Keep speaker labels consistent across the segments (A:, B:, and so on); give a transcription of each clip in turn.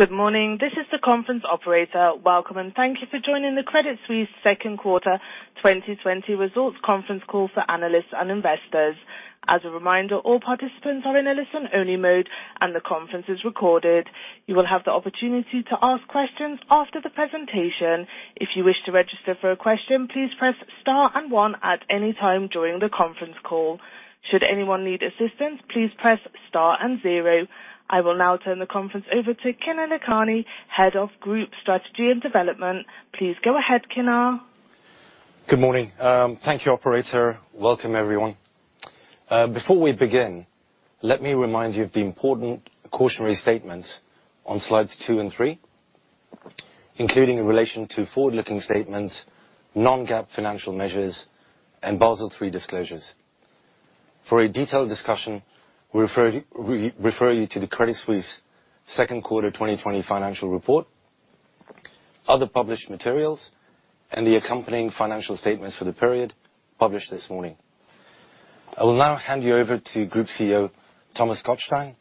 A: Good morning. This is the conference operator. Welcome, and thank you for joining the Credit Suisse second quarter 2020 results conference call for analysts and investors. As a reminder, all participants are in a listen-only mode, and the conference is recorded. You will have the opportunity to ask questions after the presentation. If you wish to register for a question, please press star and one at any time during the conference call. Should anyone need assistance, please press star and zero. I will now turn the conference over to Kinner Lakhani, Head of Group Strategy and Development. Please go ahead, Kinner.
B: Good morning. Thank you, operator. Welcome, everyone. Before we begin, let me remind you of the important cautionary statements on slides two and three, including in relation to forward-looking statements, non-GAAP financial measures, and Basel III disclosures. For a detailed discussion, we refer you to the Credit Suisse second quarter 2020 financial report, other published materials, and the accompanying financial statements for the period published this morning. I will now hand you over to Group CEO, Thomas Gottstein,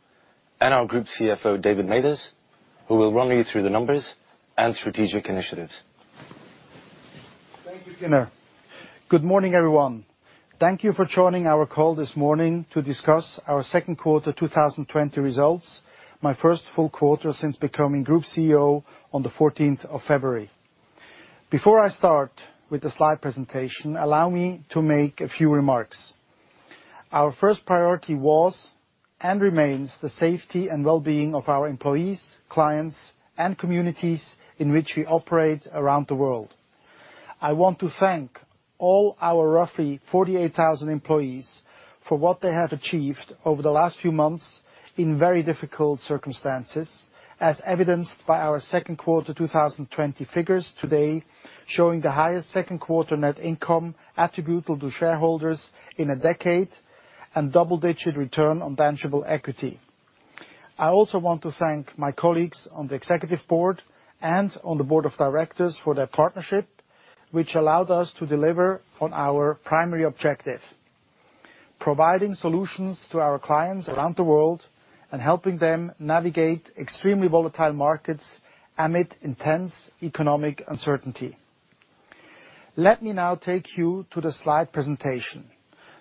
B: and our Group CFO, David Mathers, who will run you through the numbers and strategic initiatives.
C: Thank you, Kinner. Good morning, everyone. Thank you for joining our call this morning to discuss our second quarter 2020 results, my first full quarter since becoming Group CEO on the 14th of February. Before I start with the slide presentation, allow me to make a few remarks. Our first priority was and remains the safety and well-being of our employees, clients, and communities in which we operate around the world. I want to thank all our roughly 48,000 employees for what they have achieved over the last few months in very difficult circumstances, as evidenced by our second quarter 2020 figures today, showing the highest second quarter net income attributable to shareholders in a decade and double-digit return on tangible equity. I also want to thank my colleagues on the executive board and on the board of directors for their partnership, which allowed us to deliver on our primary objective, providing solutions to our clients around the world and helping them navigate extremely volatile markets amid intense economic uncertainty. Let me now take you to the slide presentation.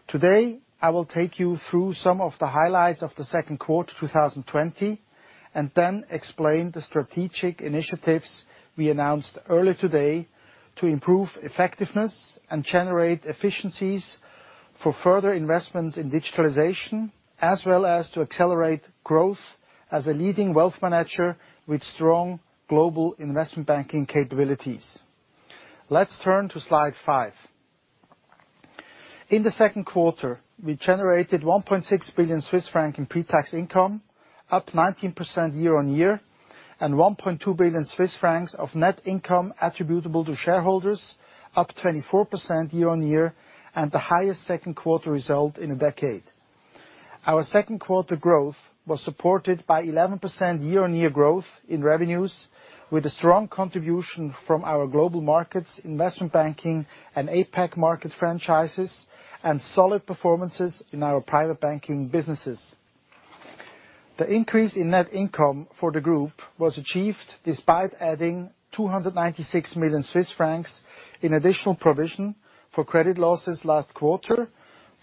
C: Today, I will take you through some of the highlights of the second quarter 2020, and then explain the strategic initiatives we announced earlier today to improve effectiveness and generate efficiencies for further investments in digitalization, as well as to accelerate growth as a leading Wealth Manager with strong global Investment Banking capabilities. Let's turn to slide five. In the second quarter, we generated 1.6 billion Swiss franc in pre-tax income, up 19% year-on-year, and 1.2 billion Swiss francs of net income attributable to shareholders, up 24% year-on-year, and the highest second quarter result in a decade. Our second quarter growth was supported by 11% year-on-year growth in revenues, with a strong contribution from our Global Markets, Investment Banking, and APAC market franchises, and solid performances in our private banking businesses. The increase in net income for the group was achieved despite adding 296 million Swiss francs in additional provision for credit losses last quarter,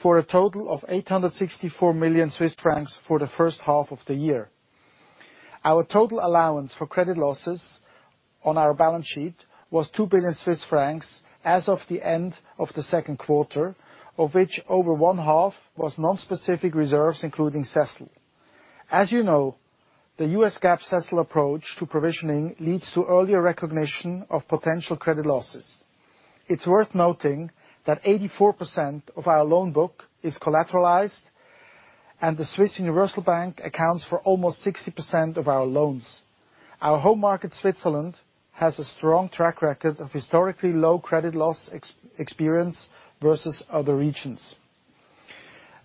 C: for a total of 864 million Swiss francs for the first half of the year. Our total allowance for credit losses on our balance sheet was 2 billion Swiss francs as of the end of the second quarter, of which over one half was non-specific reserves, including CECL. As you know, the US GAAP CECL approach to provisioning leads to earlier recognition of potential credit losses. It's worth noting that 84% of our loan book is collateralized, and the Swiss Universal Bank accounts for almost 60% of our loans. Our home market, Switzerland, has a strong track record of historically low credit loss experience versus other regions.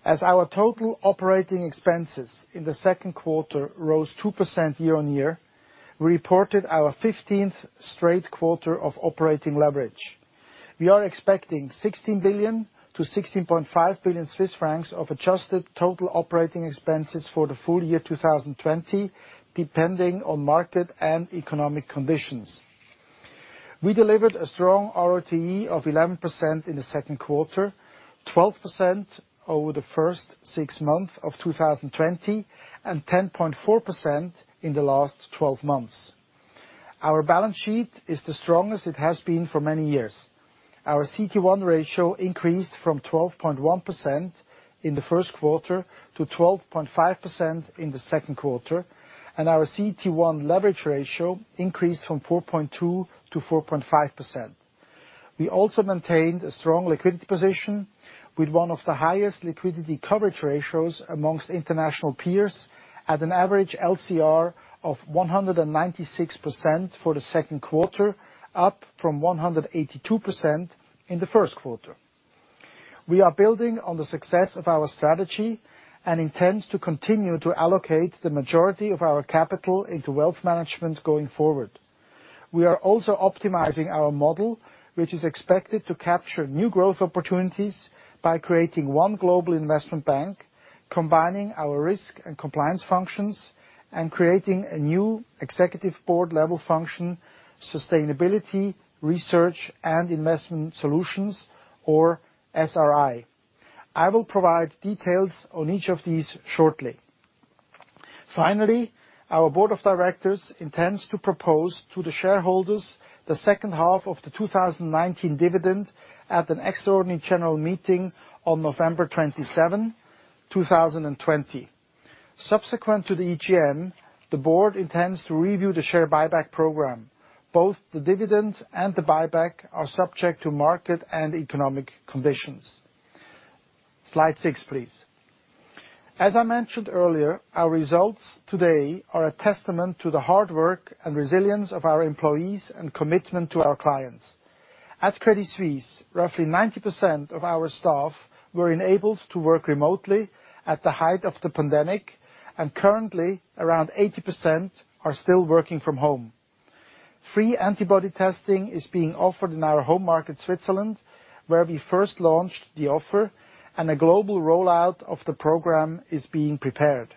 C: As our total operating expenses in the second quarter rose 2% year-on-year, we reported our 15th straight quarter of operating leverage. We are expecting 16 billion-16.5 billion Swiss francs of adjusted total operating expenses for the full year 2020, depending on market and economic conditions. We delivered a strong ROTE of 11% in the second quarter, 12% over the first six months of 2020, and 10.4% in the last 12 months. Our balance sheet is the strongest it has been for many years. Our CET1 ratio increased from 12.1% in the first quarter to 12.5% in the second quarter, and our CET1 leverage ratio increased from 4.2% to 4.5%. We also maintained a strong liquidity position with one of the highest liquidity coverage ratios amongst international peers at an average LCR of 196% for the second quarter, up from 182% in the first quarter. We are building on the success of our strategy and intend to continue to allocate the majority of our capital into wealth management going forward. We are also optimizing our model, which is expected to capture new growth opportunities by creating one global investment bank, combining our risk and compliance functions, and creating a new executive board-level function, sustainability, research, and investment solutions, or SRI. I will provide details on each of these shortly. Finally, our board of directors intends to propose to the shareholders the second half of the 2019 dividend at an extraordinary general meeting on November 27, 2020. Subsequent to the EGM, the board intends to review the share buyback program. Both the dividend and the buyback are subject to market and economic conditions. Slide six, please. As I mentioned earlier, our results today are a testament to the hard work and resilience of our employees and commitment to our clients. At Credit Suisse, roughly 90% of our staff were enabled to work remotely at the height of the pandemic, and currently around 80% are still working from home. Free antibody testing is being offered in our home market, Switzerland, where we first launched the offer, and a global rollout of the program is being prepared.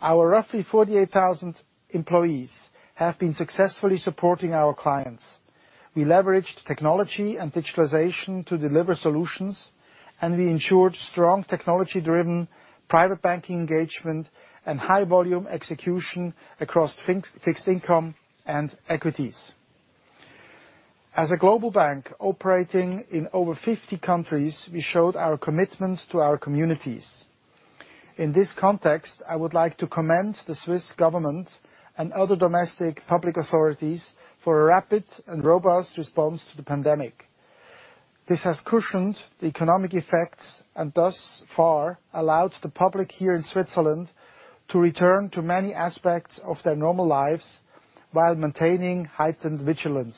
C: Our roughly 48,000 employees have been successfully supporting our clients. We leveraged technology and digitalization to deliver solutions, and we ensured strong technology-driven private banking engagement and high-volume execution across fixed income and equities. As a global bank operating in over 50 countries, we showed our commitment to our communities. In this context, I would like to commend the Swiss Government and other domestic public authorities for a rapid and robust response to the pandemic. This has cushioned the economic effects and thus far allowed the public here in Switzerland to return to many aspects of their normal lives while maintaining heightened vigilance.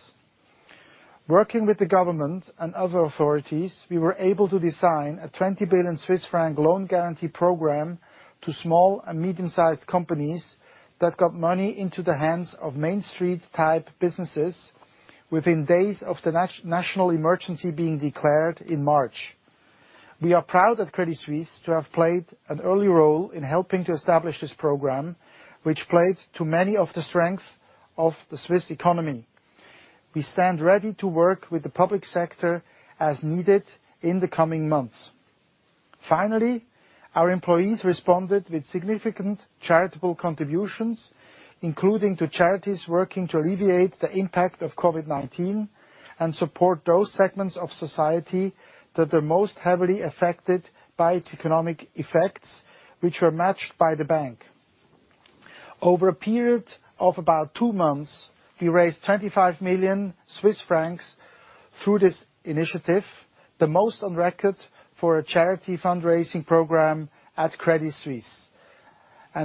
C: Working with the Government and other authorities, we were able to design a 20 billion Swiss franc loan guarantee program to small and medium-sized companies that got money into the hands of Main Street-type businesses within days of the national emergency being declared in March. We are proud at Credit Suisse to have played an early role in helping to establish this program, which played to many of the strengths of the Swiss economy. We stand ready to work with the public sector as needed in the coming months. Our employees responded with significant charitable contributions, including to charities working to alleviate the impact of COVID-19 and support those segments of society that are most heavily affected by its economic effects, which were matched by the bank. Over a period of about two months, we raised 25 million Swiss francs through this initiative, the most on record for a charity fundraising program at Credit Suisse,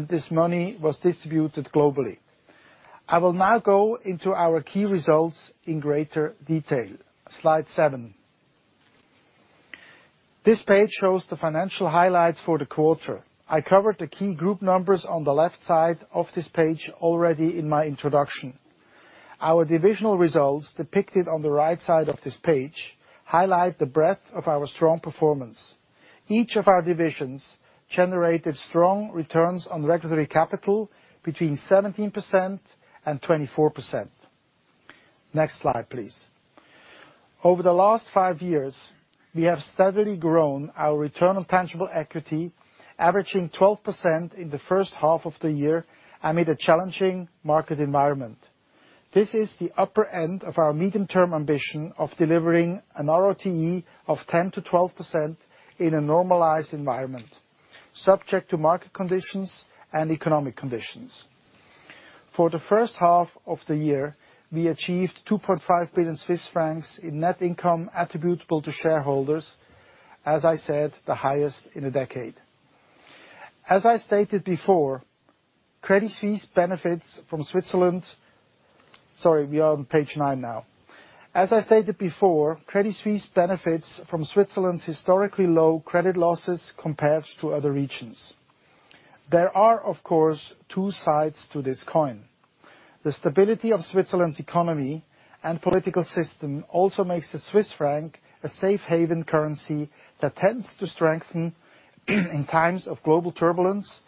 C: this money was distributed globally. I will now go into our key results in greater detail. Slide seven. This page shows the financial highlights for the quarter. I covered the key group numbers on the left side of this page already in my introduction. Our divisional results, depicted on the right side of this page, highlight the breadth of our strong performance. Each of our divisions generated strong returns on regulatory capital between 17% and 24%. Next slide, please. Over the last five years, we have steadily grown our return on tangible equity, averaging 12% in the first half of the year amid a challenging market environment. This is the upper end of our medium-term ambition of delivering an ROTE of 10%-12% in a normalized environment, subject to market conditions and economic conditions. For the first half of the year, we achieved 2.5 billion Swiss francs in net income attributable to shareholders, as I said, the highest in a decade. As I stated before, Credit Suisse benefits from Switzerland's. Sorry, we are on page nine now. As I stated before, Credit Suisse benefits from Switzerland's historically low credit losses compared to other regions. There are, of course, two sides to this coin. The stability of Switzerland's economy and political system also makes the Swiss franc a safe haven currency that tends to strengthen in times of global turbulence,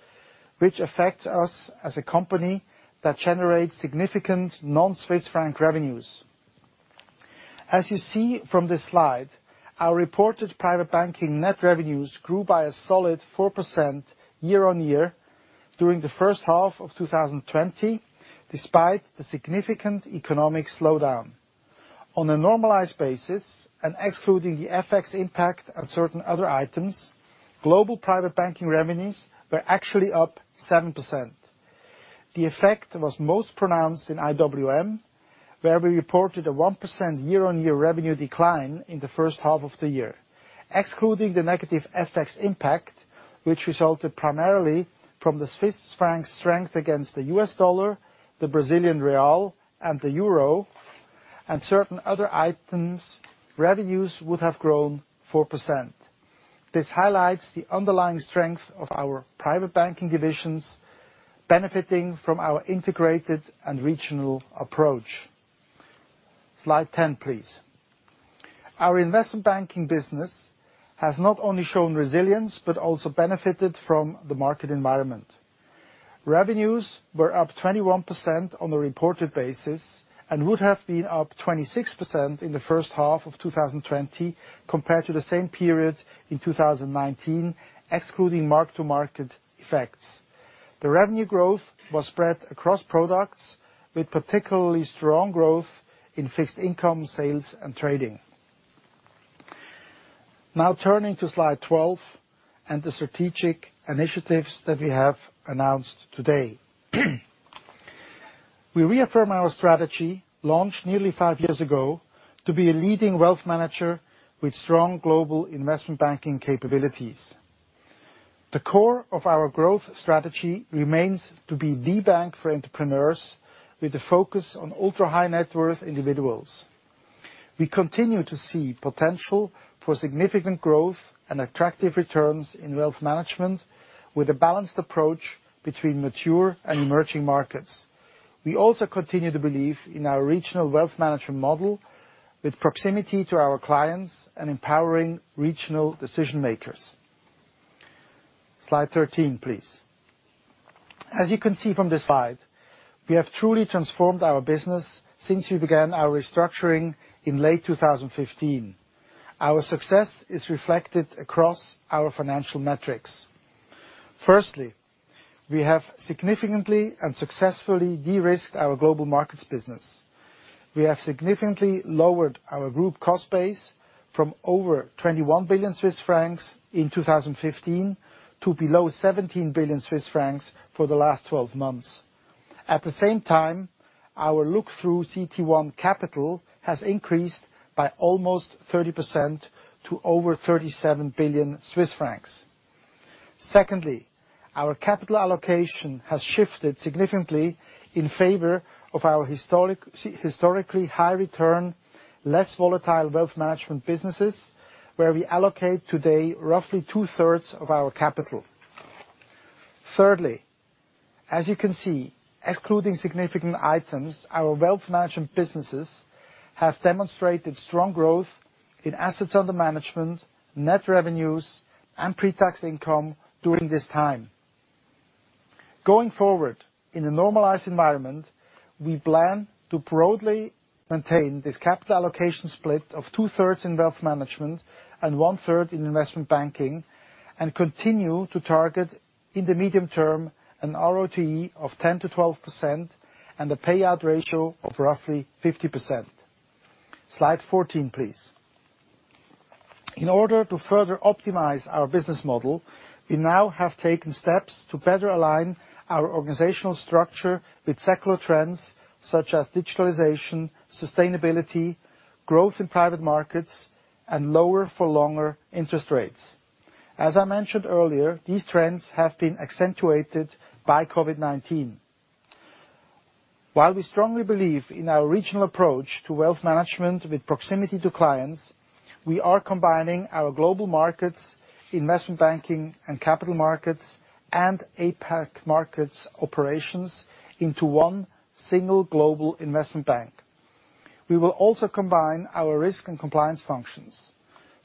C: which affects us as a company that generates significant non-Swiss franc revenues. As you see from this slide, our reported private banking net revenues grew by a solid 4% year-on-year during the first half of 2020, despite a significant economic slowdown. On a normalized basis and excluding the FX impact on certain other items, global private banking revenues were actually up 7%. The effect was most pronounced in IWM, where we reported a 1% year-on-year revenue decline in the first half of the year. Excluding the negative FX impact, which resulted primarily from the Swiss franc's strength against the U.S. dollar, the Brazilian real, and the EUR, and certain other items, revenues would have grown 4%. This highlights the underlying strength of our private banking divisions, benefiting from our integrated and regional approach. Slide 10, please. Our investment banking business has not only shown resilience, but also benefited from the market environment. Revenues were up 21% on a reported basis and would have been up 26% in the first half of 2020 compared to the same period in 2019, excluding mark-to-market effects. The revenue growth was spread across products, with particularly strong growth in fixed income sales and trading. Turning to slide 12 and the strategic initiatives that we have announced today. We reaffirm our strategy, launched nearly five years ago, to be a leading wealth manager with strong global investment banking capabilities. The core of our growth strategy remains to be the bank for entrepreneurs, with a focus on ultra-high net worth individuals. We continue to see potential for significant growth and attractive returns in wealth management, with a balanced approach between mature and emerging markets. We also continue to believe in our regional wealth management model, with proximity to our clients and empowering regional decision-makers. Slide 13, please. As you can see from this slide, we have truly transformed our business since we began our restructuring in late 2015. Our success is reflected across our financial metrics. Firstly, we have significantly and successfully de-risked our global markets business. We have significantly lowered our group cost base from over 21 billion Swiss francs in 2015 to below 17 billion Swiss francs for the last 12 months. At the same time, our look-through CET1 capital has increased by almost 30% to over 37 billion Swiss francs. Our capital allocation has shifted significantly in favor of our historically high return, less volatile wealth management businesses, where we allocate today roughly two-thirds of our capital. As you can see, excluding significant items, our wealth management businesses have demonstrated strong growth in assets under management, net revenues, and pre-tax income during this time. Going forward, in a normalized environment, we plan to broadly maintain this capital allocation split of two-thirds in wealth management and one-third in investment banking, and continue to target in the medium term an ROE of 10%-12% and a payout ratio of roughly 50%. Slide 14, please. In order to further optimize our business model, we now have taken steps to better align our organizational structure with secular trends such as digitalization, sustainability, growth in private markets, and lower-for-longer interest rates. As I mentioned earlier, these trends have been accentuated by COVID-19. While we strongly believe in our regional approach to wealth management with proximity to clients, we are combining our Global Markets, Investment Banking and Capital Markets, and APAC Markets operations into one single global investment bank. We will also combine our risk and compliance functions.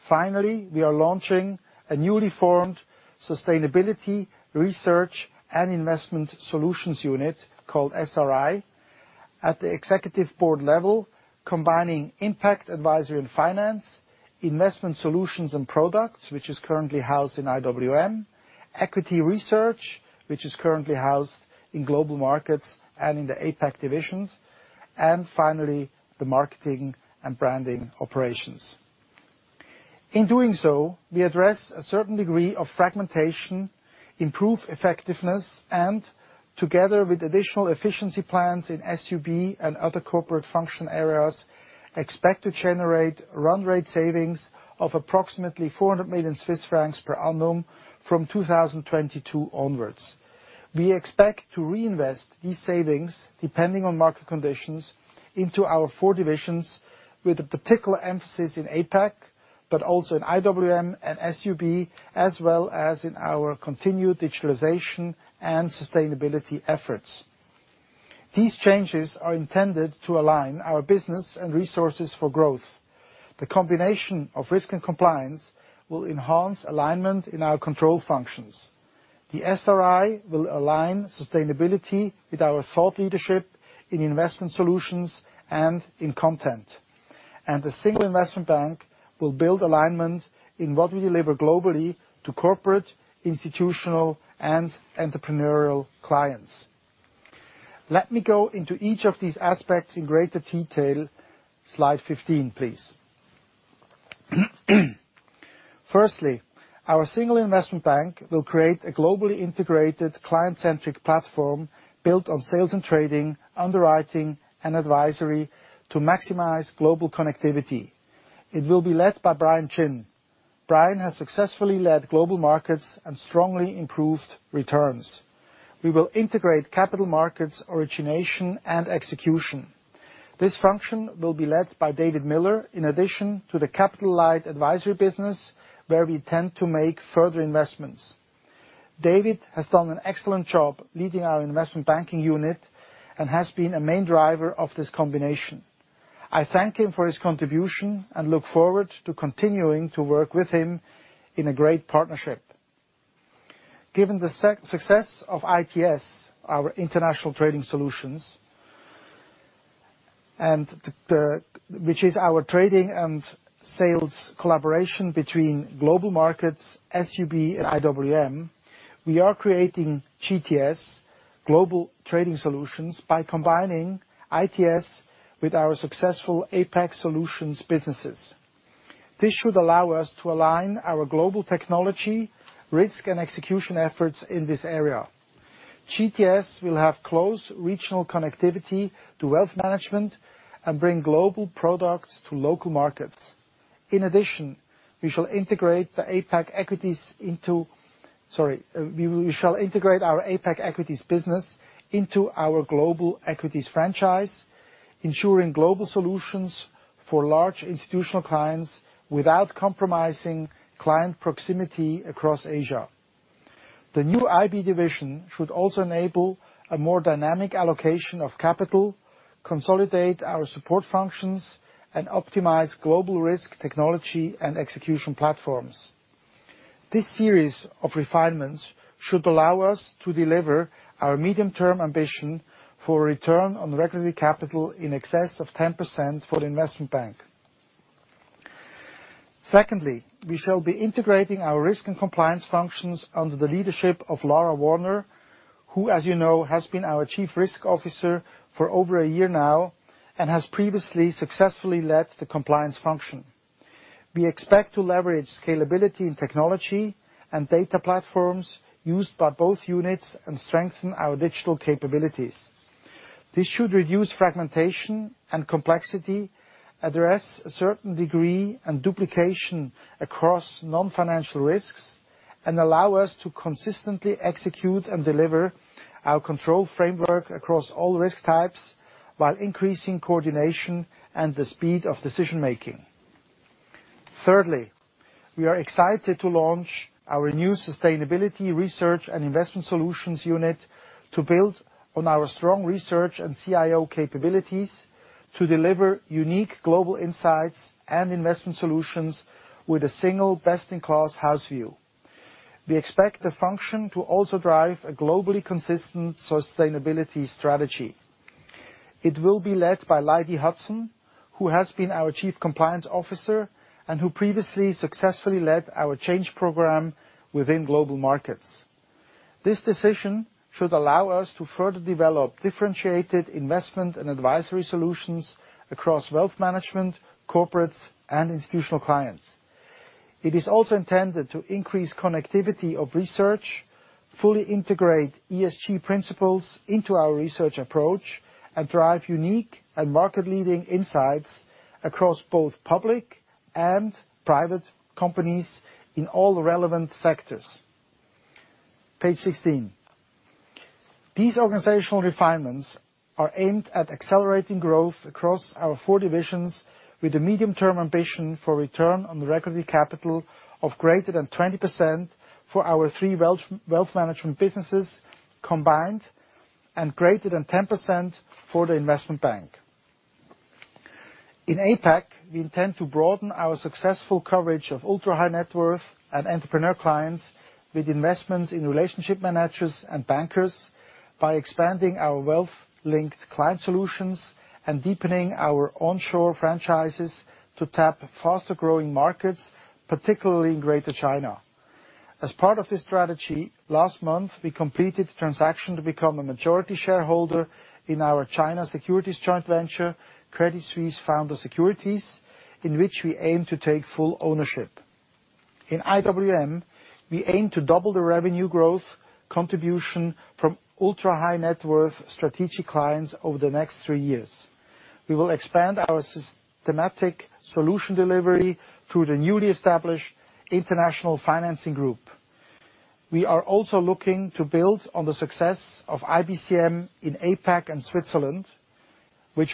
C: Finally, we are launching a newly formed Sustainability, Research, and Investment Solutions unit called SRI at the executive board level, combining impact advisory and finance, investment solutions and products, which is currently housed in IWM, equity research, which is currently housed in Global Markets and in the APAC divisions, and finally, the marketing and branding operations. In doing so, we address a certain degree of fragmentation, improve effectiveness, and together with additional efficiency plans in SUB and other corporate function areas, expect to generate run rate savings of approximately 400 million Swiss francs per annum from 2022 onwards. We expect to reinvest these savings, depending on market conditions, into our four divisions with a particular emphasis in APAC, but also in IWM and SUB, as well as in our continued digitalization and sustainability efforts. These changes are intended to align our business and resources for growth. The combination of risk and compliance will enhance alignment in our control functions. The SRI will align sustainability with our thought leadership in investment solutions and in content. The single investment bank will build alignment in what we deliver globally to corporate, institutional, and entrepreneurial clients. Let me go into each of these aspects in greater detail. Slide 15, please. Firstly, our single investment bank will create a globally integrated, client-centric platform built on sales and trading, underwriting, and advisory to maximize global connectivity. It will be led by Brian Chin. Brian has successfully led Global Markets and strongly improved returns. We will integrate capital markets origination and execution. This function will be led by David Miller, in addition to the capital light advisory business, where we intend to make further investments. David has done an excellent job leading our investment banking unit and has been a main driver of this combination. I thank him for his contribution and look forward to continuing to work with him in a great partnership. Given the success of ITS, our international trading solutions, which is our trading and sales collaboration between Global Markets, SUB, and IWM. We are creating GTS, Global Trading Solutions, by combining ITS with our successful APAC Solutions businesses. This should allow us to align our global technology, risk, and execution efforts in this area. GTS will have close regional connectivity to wealth management and bring global products to local markets. In addition, we shall integrate our APAC Equities business into our global equities franchise, ensuring global solutions for large institutional clients without compromising client proximity across Asia. The new IB division should also enable a more dynamic allocation of capital, consolidate our support functions, and optimize global risk technology and execution platforms. This series of refinements should allow us to deliver our medium-term ambition for a return on regulatory capital in excess of 10% for the investment bank. Secondly, we shall be integrating our risk and compliance functions under the leadership of Lara Warner, who, as you know, has been our Chief Risk Officer for over a year now and has previously successfully led the compliance function. We expect to leverage scalability in technology and data platforms used by both units and strengthen our digital capabilities. This should reduce fragmentation and complexity, address a certain degree and duplication across non-financial risks, and allow us to consistently execute and deliver our control framework across all risk types while increasing coordination and the speed of decision-making. Thirdly, we are excited to launch our new sustainability research and investment solutions unit to build on our strong research and CIO capabilities to deliver unique global insights and investment solutions with a single best-in-class house view. We expect the function to also drive a globally consistent sustainability strategy. It will be led by Lydie Hudson, who has been our Chief Compliance Officer and who previously successfully led our change program within global markets. This decision should allow us to further develop differentiated investment and advisory solutions across wealth management, corporates, and institutional clients. It is also intended to increase connectivity of research, fully integrate ESG principles into our research approach, and drive unique and market-leading insights across both public and private companies in all relevant sectors. Page 16. These organizational refinements are aimed at accelerating growth across our four divisions with a medium-term ambition for return on regulatory capital of greater than 20% for our three wealth management businesses combined and greater than 10% for the Investment Bank. In APAC, we intend to broaden our successful coverage of ultra high net worth and entrepreneur clients with investments in relationship managers and bankers by expanding our wealth-linked client solutions and deepening our onshore franchises to tap faster-growing markets, particularly in Greater China. As part of this strategy, last month, we completed the transaction to become a majority shareholder in our China securities joint venture, Credit Suisse Founder Securities, in which we aim to take full ownership. In IWM, we aim to double the revenue growth contribution from ultra high net worth strategic clients over the next three years. We will expand our systematic solution delivery through the newly established international financing group. We are also looking to build on the success of IBCM in APAC and Switzerland, which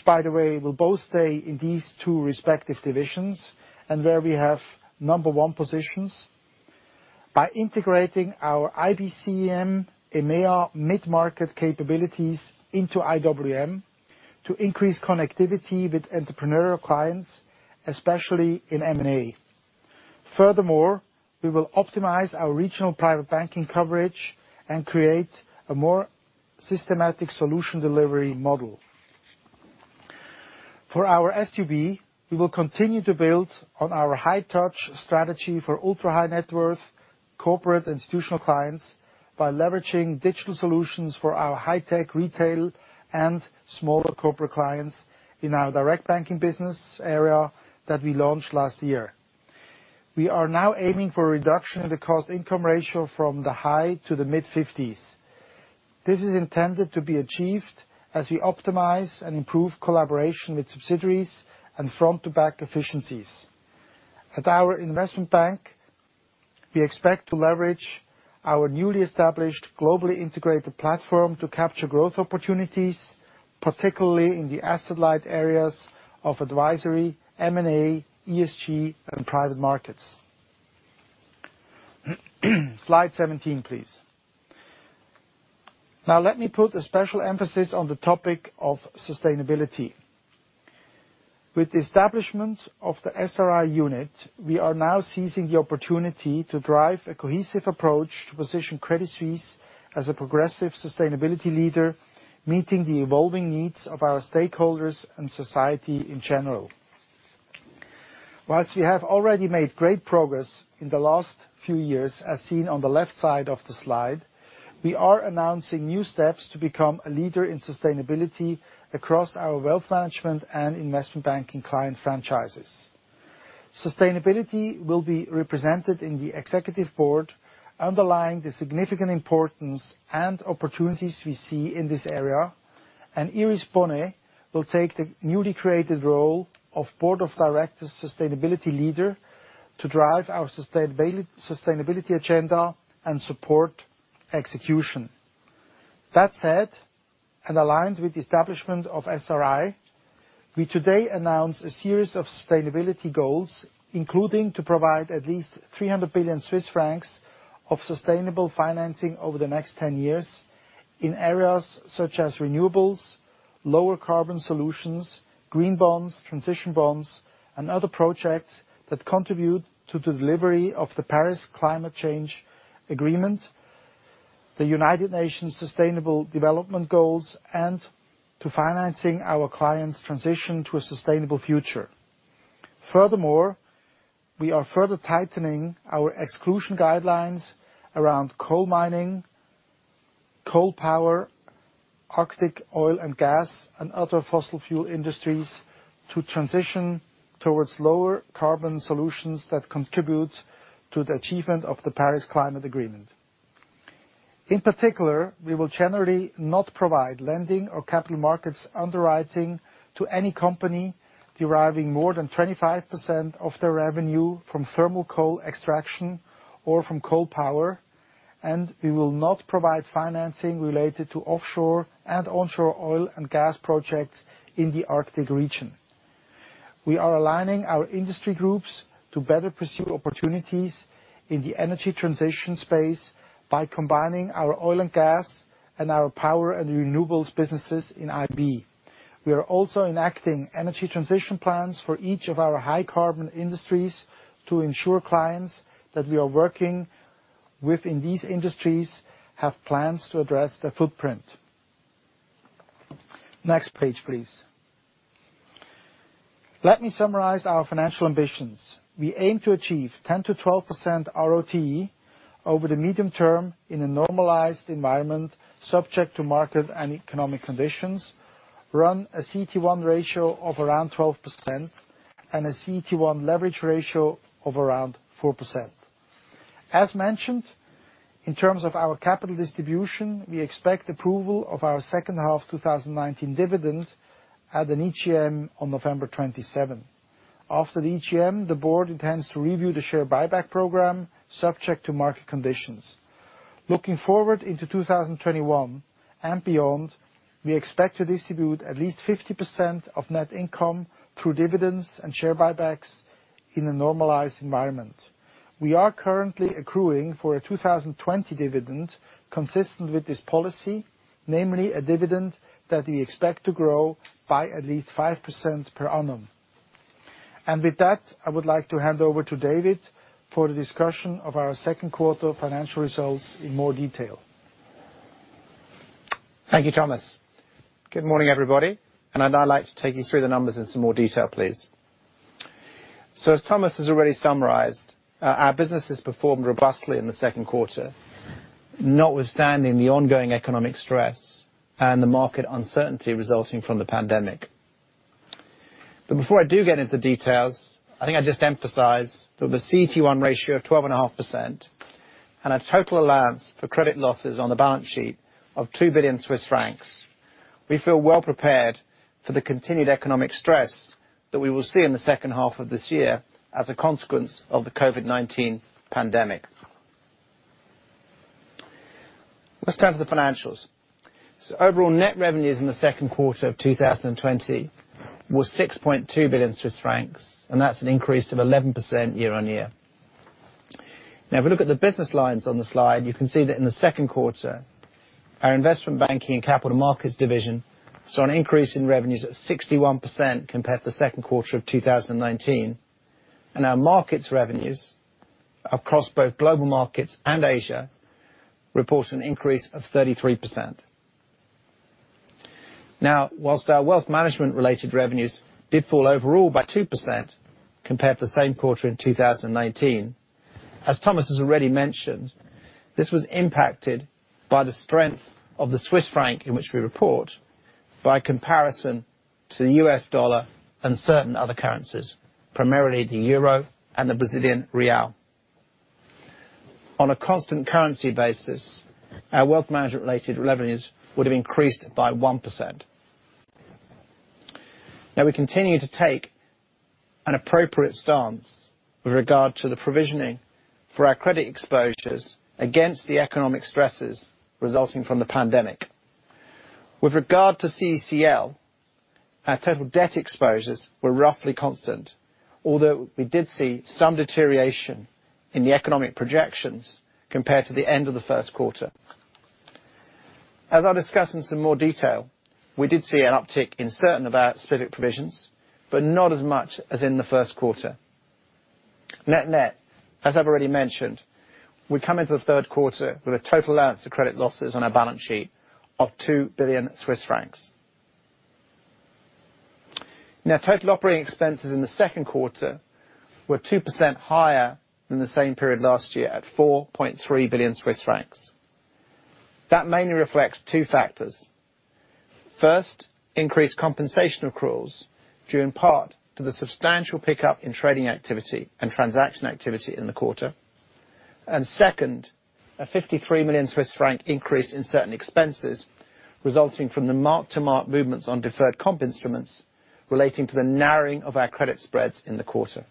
C: by the way, will both stay in these two respective divisions, and where we have number one positions, by integrating our IBCM EMEA mid-market capabilities into IWM to increase connectivity with entrepreneurial clients, especially in M&A. Furthermore, we will optimize our regional private banking coverage and create a more systematic solution delivery model. For our SUB, we will continue to build on our high-touch strategy for ultra high net worth corporate institutional clients by leveraging digital solutions for our high-tech retail and smaller corporate clients in our direct banking business area that we launched last year. We are now aiming for a reduction in the cost-income ratio from the high to the mid-50s. This is intended to be achieved as we optimize and improve collaboration with subsidiaries and front-to-back efficiencies. At our investment bank, we expect to leverage our newly established, globally integrated platform to capture growth opportunities, particularly in the asset-light areas of advisory, M&A, ESG, and private markets. Slide 17, please. Now, let me put a special emphasis on the topic of sustainability. With the establishment of the SRI unit, we are now seizing the opportunity to drive a cohesive approach to position Credit Suisse as a progressive sustainability leader, meeting the evolving needs of our stakeholders and society in general. While we have already made great progress in the last few years, as seen on the left side of the slide, we are announcing new steps to become a leader in sustainability across our wealth management and investment banking client franchises. Sustainability will be represented in the executive board, underlying the significant importance and opportunities we see in this area, and Iris Bohnet will take the newly created role of Board of Directors Sustainability Leader to drive our sustainability agenda and support execution. That said, and aligned with the establishment of SRI, we today announce a series of sustainability goals, including to provide at least 300 billion Swiss francs of sustainable financing over the next 10 years in areas such as renewables, lower carbon solutions, green bonds, transition bonds, and other projects that contribute to the delivery of the Paris Climate Agreement, the United Nations Sustainable Development Goals, and to financing our clients' transition to a sustainable future. Furthermore, we are further tightening our exclusion guidelines around coal mining, coal power, Arctic oil and gas, and other fossil fuel industries to transition towards lower carbon solutions that contribute to the achievement of the Paris Climate Agreement. In particular, we will generally not provide lending or capital markets underwriting to any company deriving more than 25% of their revenue from thermal coal extraction or from coal power, and we will not provide financing related to offshore and onshore oil and gas projects in the Arctic region. We are aligning our industry groups to better pursue opportunities in the energy transition space by combining our oil and gas and our power and renewables businesses in IB. We are also enacting energy transition plans for each of our high carbon industries to ensure clients that we are working with in these industries have plans to address their footprint. Next page, please. Let me summarize our financial ambitions. We aim to achieve 10%-12% ROTE over the medium term in a normalized environment, subject to market and economic conditions, run a CET1 ratio of around 12%, and a CET1 leverage ratio of around 4%. As mentioned, in terms of our capital distribution, we expect approval of our second half 2019 dividend at an EGM on November 27. After the EGM, the board intends to review the share buyback program, subject to market conditions. Looking forward into 2021 and beyond, we expect to distribute at least 50% of net income through dividends and share buybacks in a normalized environment. We are currently accruing for a 2020 dividend consistent with this policy, namely a dividend that we expect to grow by at least 5% per annum. With that, I would like to hand over to David for the discussion of our second quarter financial results in more detail.
D: Thank you, Thomas. Good morning, everybody. I'd now like to take you through the numbers in some more detail, please. As Thomas has already summarized, our business has performed robustly in the second quarter, notwithstanding the ongoing economic stress and the market uncertainty resulting from the pandemic. Before I do get into the details, I'd just emphasize that with a CET1 ratio of 12.5% and a total allowance for credit losses on the balance sheet of 2 billion Swiss francs, we feel well prepared for the continued economic stress that we will see in the second half of this year as a consequence of the COVID-19 pandemic. Let's turn to the financials. Overall net revenues in the second quarter of 2020 were 6.2 billion Swiss francs, and that's an increase of 11% year-on-year. If we look at the business lines on the slide, you can see that in the second quarter, our Investment Banking and Capital Markets division saw an increase in revenues at 61% compared to the second quarter of 2019. Our markets revenues across both global markets and Asia report an increase of 33%. Whilst our wealth management-related revenues did fall overall by 2% compared to the same quarter in 2019, as Thomas has already mentioned, this was impacted by the strength of the Swiss franc in which we report by comparison to the US dollar and certain other currencies, primarily the euro and the Brazilian real. On a constant currency basis, our wealth management related revenues would have increased by 1%. We continue to take an appropriate stance with regard to the provisioning for our credit exposures against the economic stresses resulting from the pandemic. With regard to CECL, our total debt exposures were roughly constant, although we did see some deterioration in the economic projections compared to the end of the first quarter. As I'll discuss in some more detail, we did see an uptick in certain of our specific provisions, but not as much as in the first quarter. Net net, as I've already mentioned, we come into the third quarter with a total allowance to credit losses on our balance sheet of 2 billion Swiss francs. Total operating expenses in the second quarter were 2% higher than the same period last year at 4.3 billion Swiss francs. That mainly reflects two factors. First, increased compensation accruals due in part to the substantial pickup in trading activity and transaction activity in the quarter. Second, a 53 million Swiss franc increase in certain expenses resulting from the mark-to-market movements on deferred comp instruments relating to the narrowing of our credit spreads in the quarter.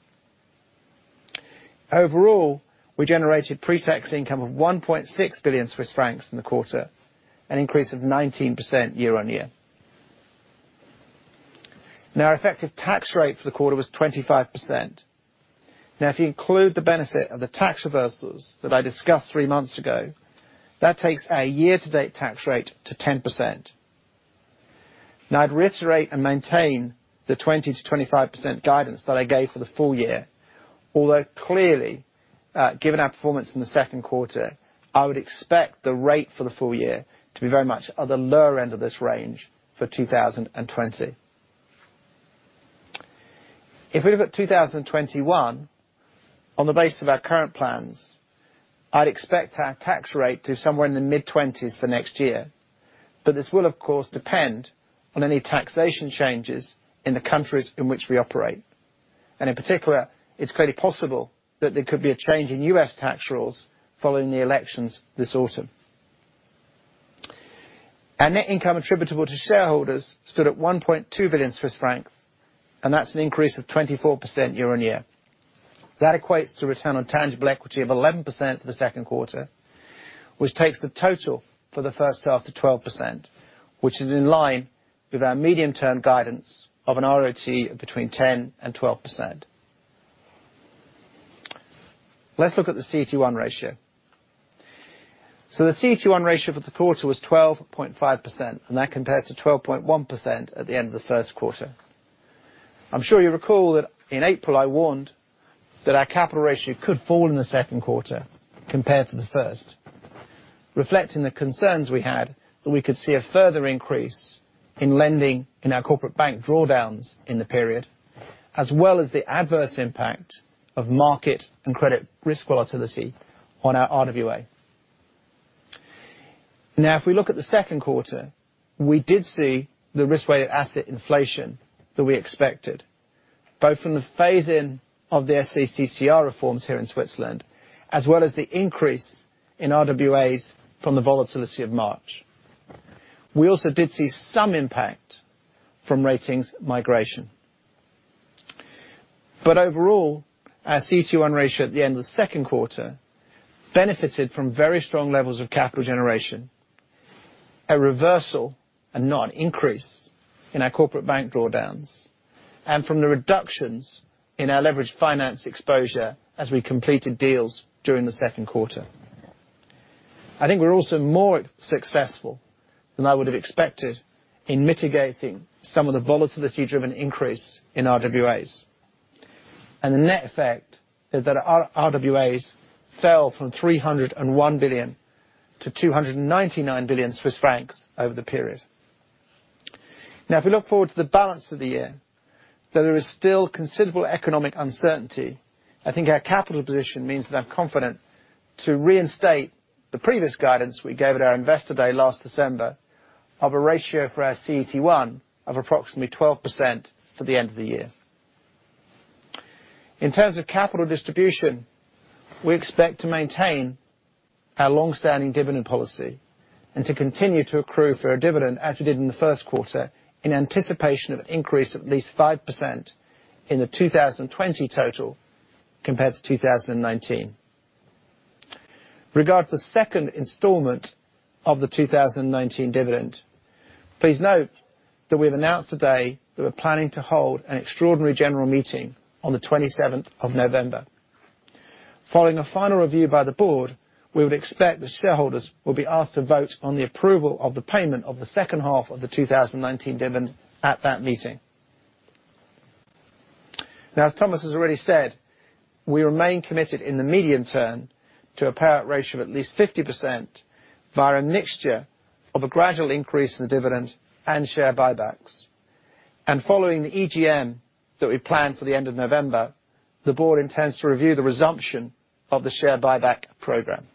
D: Overall, we generated pre-tax income of 1.6 billion Swiss francs in the quarter, an increase of 19% year-on-year. Our effective tax rate for the quarter was 25%. If you include the benefit of the tax reversals that I discussed three months ago, that takes our year-to-date tax rate to 10%. I'd reiterate and maintain the 20%-25% guidance that I gave for the full year, although clearly, given our performance in the second quarter, I would expect the rate for the full year to be very much at the lower end of this range for 2020. If we look at 2021, on the basis of our current plans, I'd expect our tax rate to be somewhere in the mid-20s for next year. This will, of course, depend on any taxation changes in the countries in which we operate. In particular, it's clearly possible that there could be a change in U.S. tax rules following the elections this autumn. Our net income attributable to shareholders stood at 1.2 billion Swiss francs, and that's an increase of 24% year-on-year. That equates to a Return on Tangible Equity of 11% for the second quarter, which takes the total for the first half to 12%, which is in line with our medium-term guidance of an ROTE of between 10% and 12%. Let's look at the CET1 ratio. The CET1 ratio for the quarter was 12.5%, and that compares to 12.1% at the end of the first quarter. I'm sure you recall that in April I warned that our capital ratio could fall in the second quarter compared to the first, reflecting the concerns we had that we could see a further increase in lending in our corporate bank drawdowns in the period, as well as the adverse impact of market and credit risk volatility on our RWA. If we look at the second quarter, we did see the risk-weighted asset inflation that we expected, both from the phase-in of the SA-CCR reforms here in Switzerland, as well as the increase in RWAs from the volatility of March. We also did see some impact from ratings migration. Overall, our CET1 ratio at the end of the second quarter benefited from very strong levels of capital generation, a reversal and not an increase in our corporate bank drawdowns, and from the reductions in our leverage finance exposure as we completed deals during the second quarter. I think we're also more successful than I would have expected in mitigating some of the volatility-driven increase in RWAs. The net effect is that our RWAs fell from 301 billion to 299 billion Swiss francs over the period. If we look forward to the balance of the year, though there is still considerable economic uncertainty, I think our capital position means that I'm confident to reinstate the previous guidance we gave at our Investor Day last December of a ratio for our CET1 of approximately 12% for the end of the year. In terms of capital distribution, we expect to maintain our long-standing dividend policy and to continue to accrue for a dividend as we did in the first quarter in anticipation of an increase of at least 5% in the 2020 total compared to 2019. With regard to the second installment of the 2019 dividend, please note that we've announced today that we're planning to hold an extraordinary general meeting on the 27th of November. Following a final review by the board, we would expect the shareholders will be asked to vote on the approval of the payment of the second half of the 2019 dividend at that meeting. As Thomas has already said, we remain committed in the medium term to a payout ratio of at least 50% via a mixture of a gradual increase in the dividend and share buybacks. Following the EGM that we plan for the end of November, the board intends to review the resumption of the share buyback program.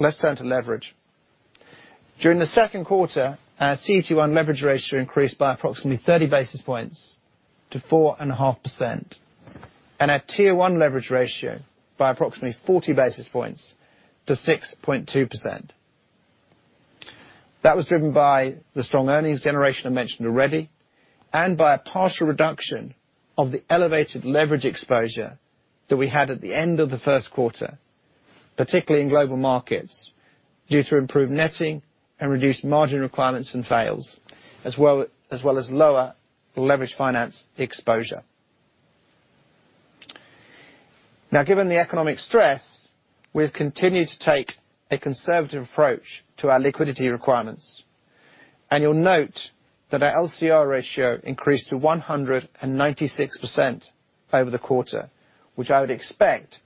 D: Let's turn to leverage. During the second quarter, our CET1 leverage ratio increased by approximately 30 basis points to 4.5%. Our Tier 1 leverage ratio by approximately 40 basis points to 6.2%. That was driven by the strong earnings generation I mentioned already, and by a partial reduction of the elevated leverage exposure that we had at the end of the first quarter, particularly in Global Markets, due to improved netting and reduced margin requirements and fails, as well as lower leverage finance exposure. Now, given the economic stress, we've continued to take a conservative approach to our liquidity requirements. You'll note that our LCR ratio increased to 196% over the quarter, which I would expect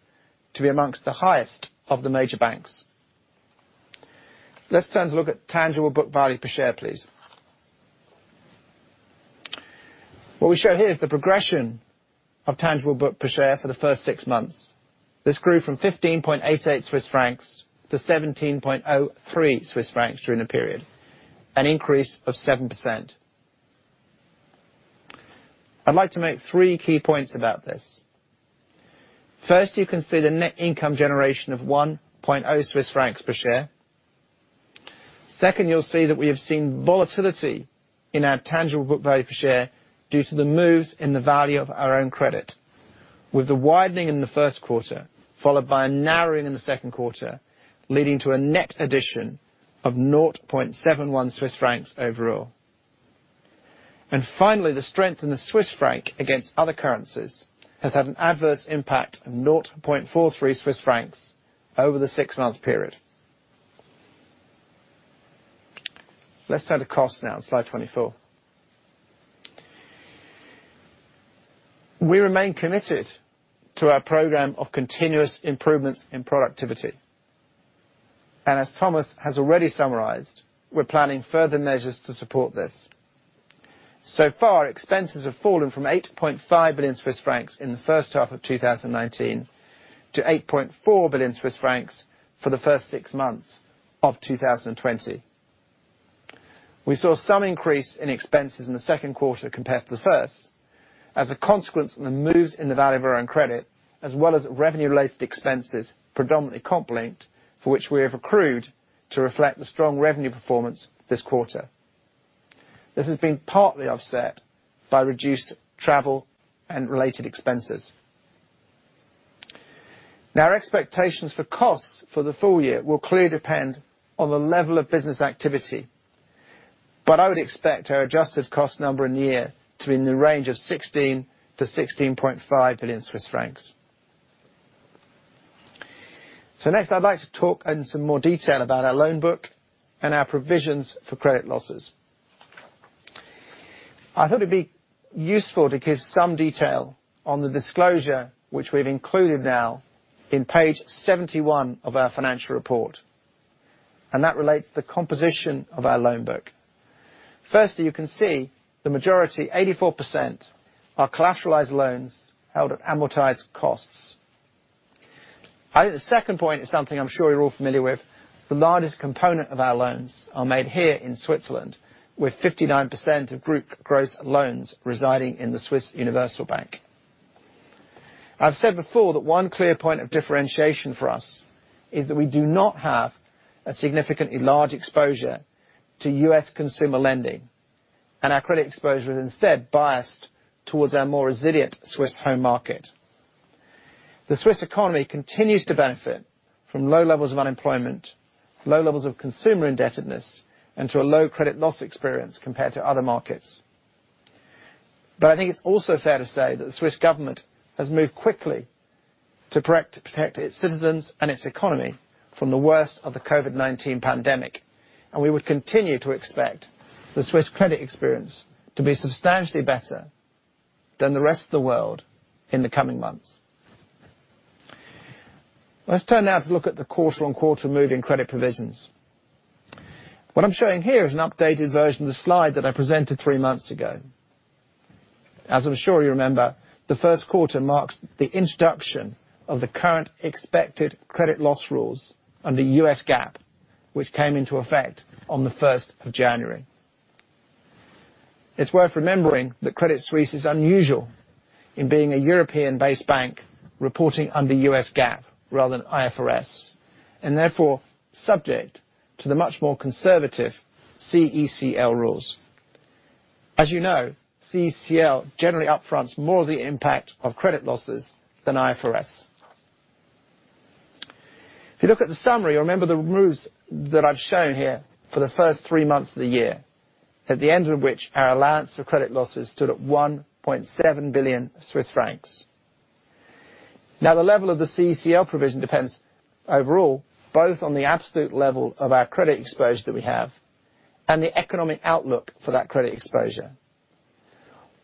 D: to be among the highest of the major banks. Let's turn to look at tangible book value per share, please. What we show here is the progression of tangible book per share for the first six months. This grew from 15.88 Swiss francs to 17.03 Swiss francs during the period, an increase of 7%. I'd like to make three key points about this. First, you can see the net income generation of 1.0 Swiss francs per share. Second, you'll see that we have seen volatility in our tangible book value per share due to the moves in the value of our own credit, with the widening in the first quarter followed by a narrowing in the second quarter, leading to a net addition of 0.71 Swiss francs overall. Finally, the strength in the Swiss franc against other currencies has had an adverse impact of 0.43 Swiss francs over the six-month period. Let's turn to cost now on slide 24. We remain committed to our program of continuous improvements in productivity. As Thomas has already summarized, we're planning further measures to support this. Far, expenses have fallen from 8.5 billion Swiss francs in the first half of 2019 to 8.4 billion Swiss francs for the first six months of 2020. We saw some increase in expenses in the second quarter compared to the first as a consequence from the moves in the value of our own credit, as well as revenue-related expenses, predominantly comp linked, for which we have accrued to reflect the strong revenue performance this quarter. This has been partly offset by reduced travel and related expenses. Our expectations for costs for the full year will clearly depend on the level of business activity, but I would expect our adjusted cost number in the year to be in the range of 16 billion-16.5 billion Swiss francs. Next, I'd like to talk in some more detail about our loan book and our provisions for credit losses. I thought it'd be useful to give some detail on the disclosure, which we've included now in page 71 of our financial report. That relates to the composition of our loan book. Firstly, you can see the majority, 84%, are collateralized loans held at amortized costs. I think the second point is something I'm sure you're all familiar with. The largest component of our loans are made here in Switzerland, with 59% of group gross loans residing in the Swiss Universal Bank. I've said before that one clear point of differentiation for us is that we do not have a significantly large exposure to US consumer lending. Our credit exposure is instead biased towards our more resilient Swiss home market. The Swiss economy continues to benefit from low levels of unemployment, low levels of consumer indebtedness, and to a low credit loss experience compared to other markets. I think it's also fair to say that the Swiss government has moved quickly to protect its citizens and its economy from the worst of the COVID-19 pandemic, and we would continue to expect the Swiss credit experience to be substantially better than the rest of the world in the coming months. Let's turn now to look at the quarter-on-quarter move in credit provisions. What I'm showing here is an updated version of the slide that I presented three months ago. As I'm sure you remember, the first quarter marks the introduction of the Current Expected Credit Loss rules under US GAAP, which came into effect on the 1st of January. It's worth remembering that Credit Suisse is unusual in being a European-based bank reporting under US GAAP rather than IFRS, and therefore, subject to the much more conservative CECL rules. As you know, CECL generally upfronts more of the impact of credit losses than IFRS. If you look at the summary, you'll remember the moves that I've shown here for the first three months of the year. At the end of which, our allowance for credit losses stood at 1.7 billion Swiss francs. The level of the CECL provision depends overall both on the absolute level of our credit exposure that we have and the economic outlook for that credit exposure.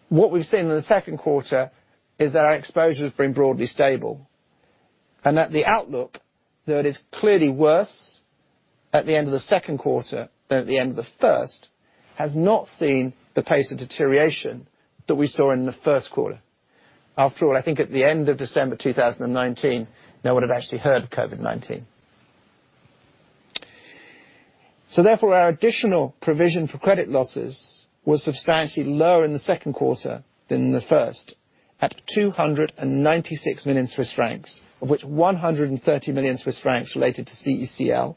D: What we've seen in the second quarter is that our exposure has been broadly stable and that the outlook, though it is clearly worse at the end of the second quarter than at the end of the first, has not seen the pace of deterioration that we saw in the first quarter. After all, I think at the end of December 2019, no one had actually heard of COVID-19. Therefore, our additional provision for credit losses was substantially lower in the second quarter than in the first, at 296 million Swiss francs, of which 130 million Swiss francs related to CECL,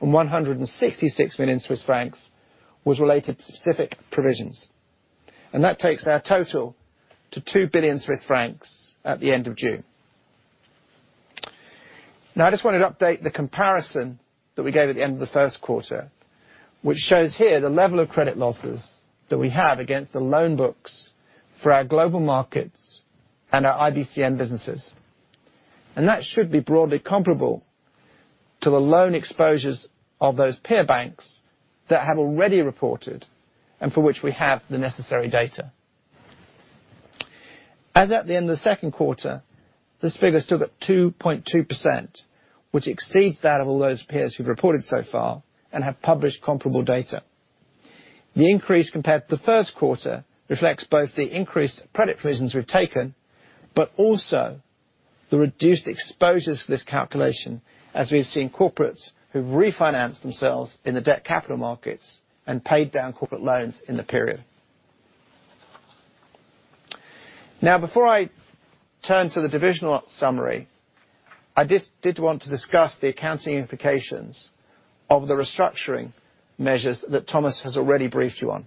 D: and 166 million Swiss francs was related to specific provisions. That takes our total to 2 billion Swiss francs at the end of June. Now I just wanted to update the comparison that we gave at the end of the first quarter, which shows here the level of credit losses that we have against the loan books for our global markets and our IBCM businesses. That should be broadly comparable to the loan exposures of those peer banks that have already reported and for which we have the necessary data. As at the end of the second quarter, this figure stood at 2.2%, which exceeds that of all those peers who've reported so far and have published comparable data. The increase compared to the first quarter reflects both the increased credit provisions we've taken, but also the reduced exposures for this calculation as we've seen corporates who've refinanced themselves in the debt capital markets and paid down corporate loans in the period. Before I turn to the divisional summary, I did want to discuss the accounting implications of the restructuring measures that Thomas Gottstein has already briefed you on.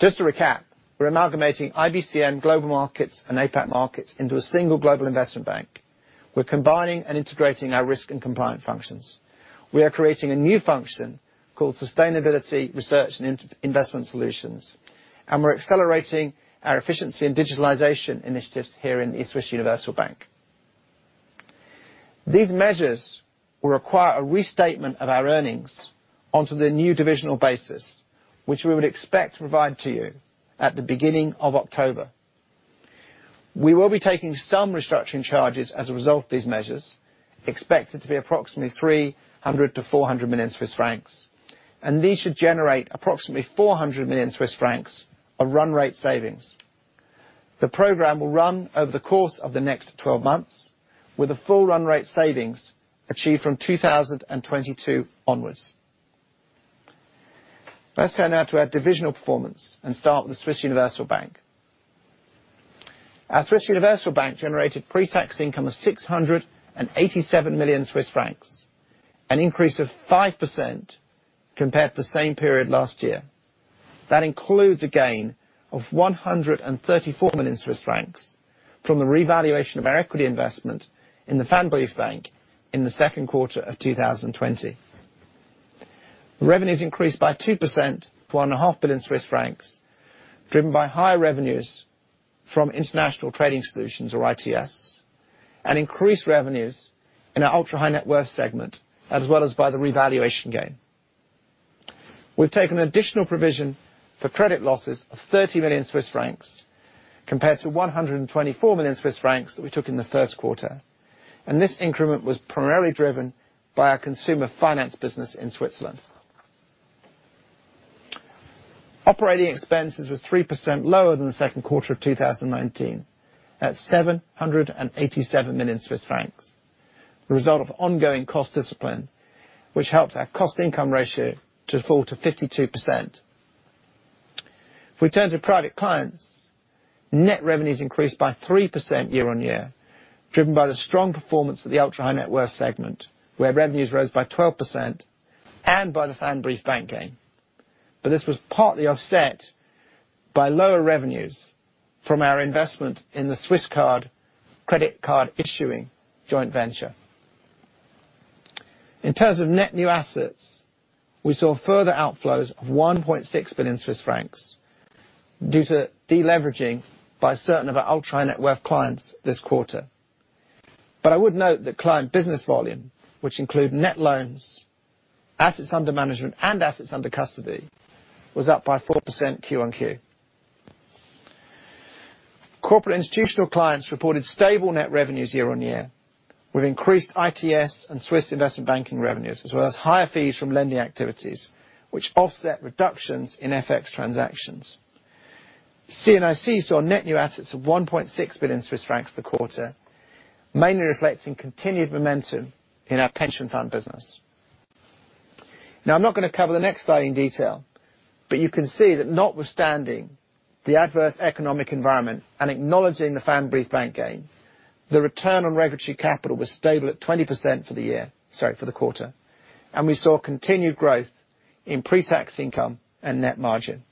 D: Just to recap, we're amalgamating IBCM global markets and APAC markets into a single global investment bank. We're combining and integrating our risk and compliance functions. We are creating a new function called Sustainability Research and Investment Solutions. We're accelerating our efficiency and digitalization initiatives here in the Swiss Universal Bank. These measures will require a restatement of our earnings onto the new divisional basis, which we would expect to provide to you at the beginning of October. We will be taking some restructuring charges as a result of these measures, expected to be approximately 300 million-400 million Swiss francs. These should generate approximately 400 million Swiss francs of run rate savings. The program will run over the course of the next 12 months, with a full run rate savings achieved from 2022 onwards. Let's turn now to our divisional performance and start with the Swiss Universal Bank. Our Swiss Universal Bank generated pre-tax income of 687 million Swiss francs, an increase of 5% compared to the same period last year. That includes a gain of 134 million Swiss francs from the revaluation of our equity investment in the Pfandbriefbank in the second quarter of 2020. Revenues increased by 2% to 1.5 billion Swiss francs, driven by higher revenues from International Trading Solutions, or ITS, and increased revenues in our ultra high net worth segment, as well as by the revaluation gain. We've taken an additional provision for credit losses of 30 million Swiss francs, compared to 124 million Swiss francs that we took in the first quarter. This increment was primarily driven by our consumer finance business in Switzerland. Operating expenses were 3% lower than the second quarter of 2019 at 787 million Swiss francs. The result of ongoing cost discipline, which helped our cost income ratio to fall to 52%. If we turn to private clients, net revenues increased by 3% year-over-year, driven by the strong performance of the ultra high net worth segment, where revenues rose by 12% and by the Pfandbriefbank gain. This was partly offset by lower revenues from our investment in the Swisscard credit card issuing joint venture. In terms of net new assets, we saw further outflows of 1.6 billion Swiss francs due to de-leveraging by certain of our ultra net worth clients this quarter. I would note that client business volume, which include net loans, assets under management, and assets under custody, was up by 4% Q1Q. Corporate Institutional Clients reported stable net revenues year-on-year with increased ITS and Swiss investment banking revenues, as well as higher fees from lending activities, which offset reductions in FX transactions. C&IC saw net new assets of 1.6 billion Swiss francs this quarter, mainly reflecting continued momentum in our pension fund business. I'm not going to cover the next slide in detail, but you can see that notwithstanding the adverse economic environment and acknowledging the Pfandbriefbank gain, the return on regulatory capital was stable at 20% for the quarter, and we saw continued growth in pre-tax income and net margin.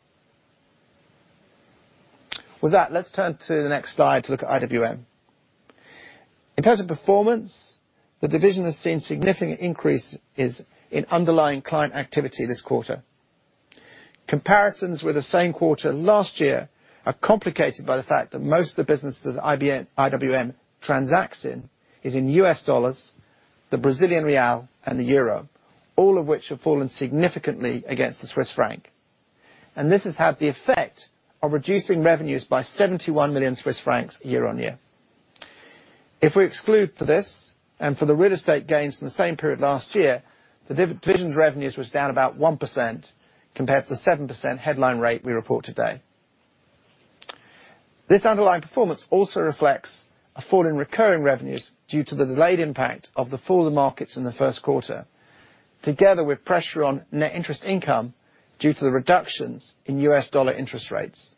D: With that, let's turn to the next slide to look at IWM. In terms of performance, the division has seen significant increases in underlying client activity this quarter. Comparisons with the same quarter last year are complicated by the fact that most of the business that IWM transacts in is in US dollars, the Brazilian real, and the euro, all of which have fallen significantly against the Swiss franc. This has had the effect of reducing revenues by 71 million Swiss francs year-on-year. If we exclude for this and for the real estate gains in the same period last year, the division's revenues was down about 1% compared to the 7% headline rate we report today. This underlying performance also reflects a fall in recurring revenues due to the delayed impact of the fall of the markets in the first quarter, together with pressure on net interest income due to the reductions in US dollar interest rates.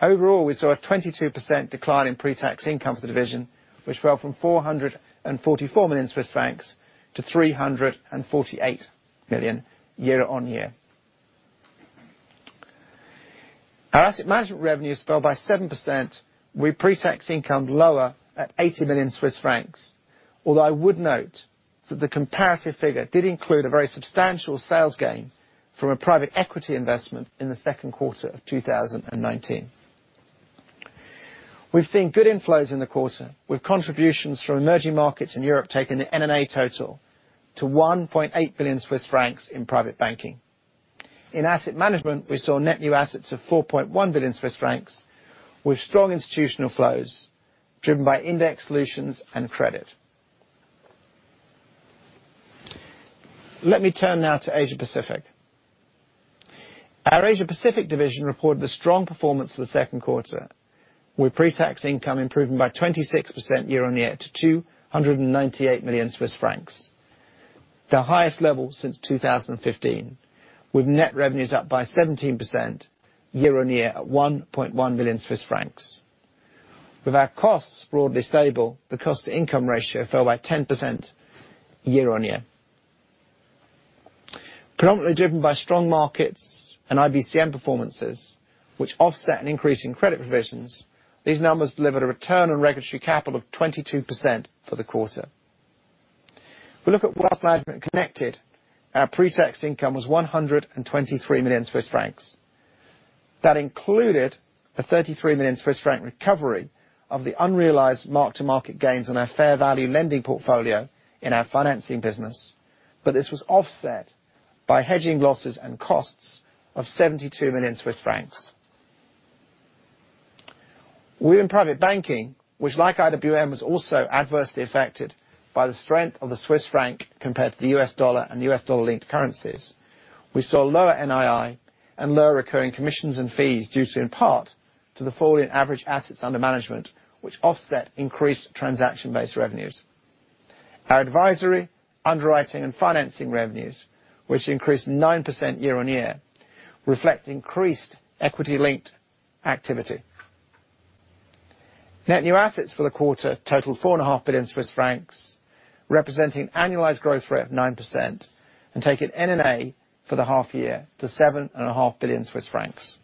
D: Overall, we saw a 22% decline in pre-tax income for the division, which fell from 444 million Swiss francs to 348 million year-on-year. Our asset management revenues fell by 7%, with pre-tax income lower at 80 million Swiss francs. Although I would note that the comparative figure did include a very substantial sales gain from a private equity investment in the second quarter of 2019. We've seen good inflows in the quarter, with contributions from emerging markets in Europe taking the NNA total to 1.8 billion Swiss francs in private banking. In asset management, we saw net new assets of 4.1 billion Swiss francs with strong institutional flows driven by index solutions and credit. Let me turn now to Asia-Pacific. Our Asia-Pacific division reported a strong performance for the second quarter, with pre-tax income improving by 26% year-on-year to 298 million Swiss francs, the highest level since 2015, with net revenues up by 17% year-on-year at 1.1 billion Swiss francs. With our costs broadly stable, the cost-to-income ratio fell by 10% year-on-year. Predominantly driven by strong markets and IBCM performances, which offset an increase in credit provisions, these numbers delivered a return on regulatory capital of 22% for the quarter. If we look at Wealth Management connected, our pre-tax income was 123 million Swiss francs. That included a 33 million Swiss franc recovery of the unrealized mark-to-market gains on our fair value lending portfolio in our financing business, this was offset by hedging losses and costs of 72 million Swiss francs. Within private banking, which like IWM was also adversely affected by the strength of the Swiss franc compared to the US dollar and US dollar-linked currencies, we saw lower NII and lower recurring commissions and fees due in part to the fall in average assets under management, which offset increased transaction-based revenues. Our advisory, underwriting, and financing revenues, which increased 9% year-on-year, reflect increased equity-linked activity. Net new assets for the quarter totaled 4.5 billion Swiss francs, representing annualized growth rate of 9%, and taking NNA for the half year to 7.5 billion Swiss francs.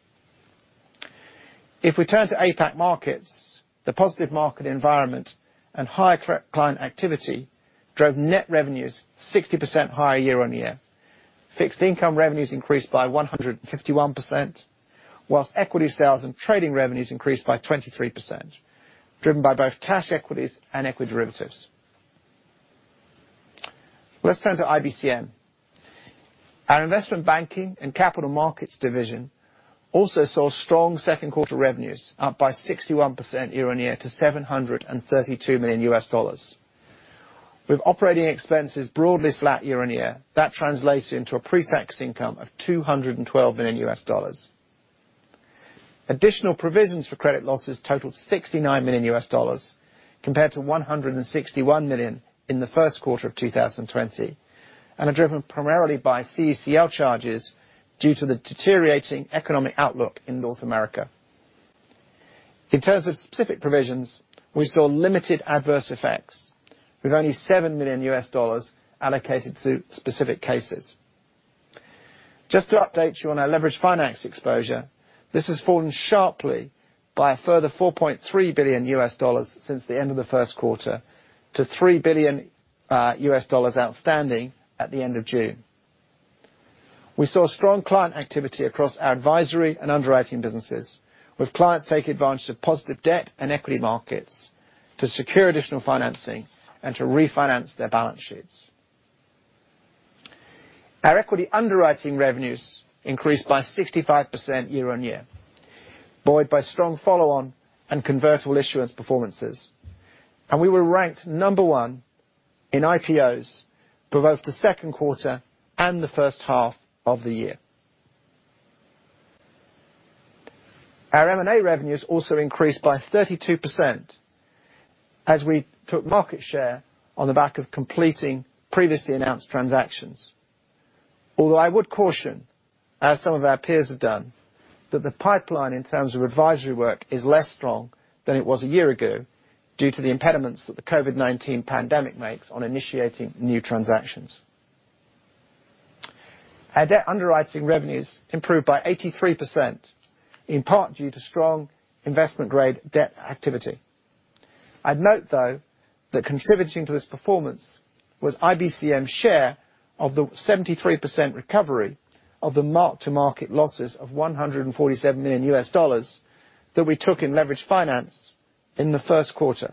D: If we turn to APAC markets, the positive market environment and higher client activity drove net revenues 60% higher year-on-year. Fixed income revenues increased by 151%, whilst equity sales and trading revenues increased by 23%, driven by both cash equities and equity derivatives. Let's turn to IBCM. Our Investment Banking and Capital Markets division also saw strong second quarter revenues, up by 61% year-on-year to $732 million. With operating expenses broadly flat year-on-year, that translated into a pre-tax income of $212 million. Additional provisions for credit losses totaled $69 million compared to $161 million in the first quarter of 2020, and are driven primarily by CECL charges due to the deteriorating economic outlook in North America. In terms of specific provisions, we saw limited adverse effects, with only $7 million allocated to specific cases. Just to update you on our leveraged finance exposure, this has fallen sharply by a further $4.3 billion since the end of the first quarter to $3 billion outstanding at the end of June. We saw strong client activity across our advisory and underwriting businesses, with clients taking advantage of positive debt and equity markets to secure additional financing and to refinance their balance sheets. Our equity underwriting revenues increased by 65% year-on-year, buoyed by strong follow-on and convertible issuance performances. We were ranked number one in IPOs for both the second quarter and the first half of the year. Our M&A revenues also increased by 32% as we took market share on the back of completing previously announced transactions. Although I would caution, as some of our peers have done, that the pipeline in terms of advisory work is less strong than it was a year ago due to the impediments that the COVID-19 pandemic makes on initiating new transactions. Our debt underwriting revenues improved by 83%, in part due to strong investment-grade debt activity. I'd note, though, that contributing to this performance was IBCM's share of the 73% recovery of the mark-to-market losses of $147 million that we took in leverage finance in the first quarter.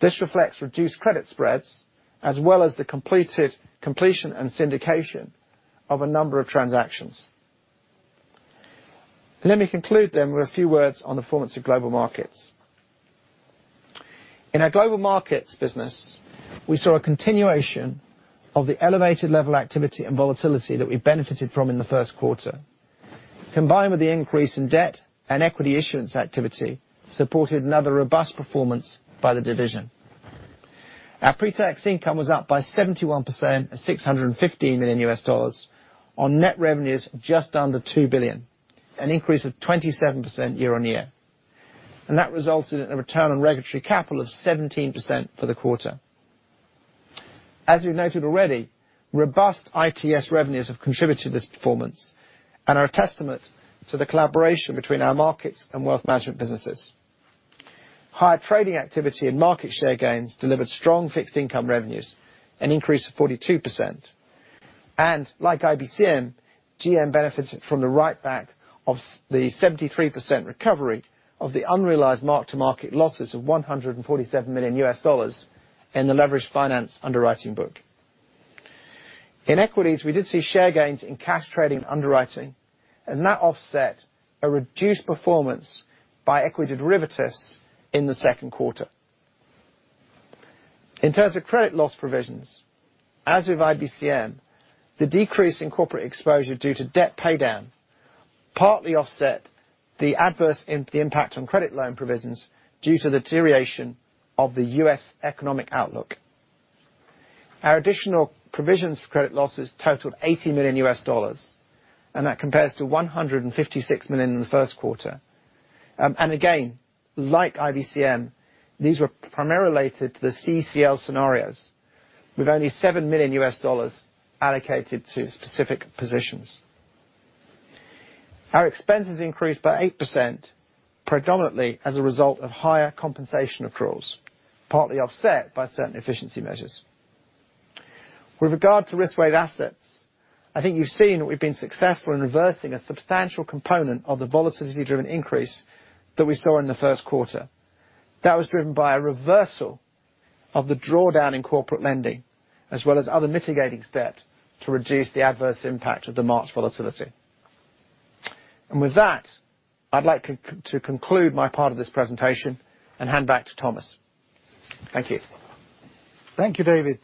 D: This reflects reduced credit spreads, as well as the completion and syndication of a number of transactions. Let me conclude with a few words on the performance of global markets. In our global markets business, we saw a continuation of the elevated level activity and volatility that we benefited from in the first quarter, combined with the increase in debt and equity issuance activity, supported another robust performance by the division. Our pre-tax income was up by 71%, at CHF 615 million on net revenues just under 2 billion, an increase of 27% year-on-year. That resulted in a return on regulatory capital of 17% for the quarter. As we've noted already, robust ITS revenues have contributed to this performance and are a testament to the collaboration between our markets and wealth management businesses. Higher trading activity and market share gains delivered strong fixed income revenues, an increase of 42%. Like IBCM, GM benefited from the write back of the 73% recovery of the unrealized mark-to-market losses of CHF 147 million in the leveraged finance underwriting book. In equities, we did see share gains in cash trading underwriting, and that offset a reduced performance by equity derivatives in the second quarter. In terms of credit loss provisions, as with IBCM, the decrease in corporate exposure due to debt pay down partly offset the adverse impact on credit loan provisions due to the deterioration of the U.S. economic outlook. Our additional provisions for credit losses totaled CHF 80 million, and that compares to 156 million in the first quarter. Again, like IBCM, these were primarily related to the CECL scenarios, with only CHF 7 million allocated to specific positions. Our expenses increased by 8%, predominantly as a result of higher compensation accruals, partly offset by certain efficiency measures. With regard to risk-weighted assets, I think you've seen that we've been successful in reversing a substantial component of the volatility-driven increase that we saw in the first quarter. That was driven by a reversal of the drawdown in corporate lending, as well as other mitigating steps to reduce the adverse impact of the March volatility. With that, I'd like to conclude my part of this presentation and hand back to Thomas. Thank you.
C: Thank you, David.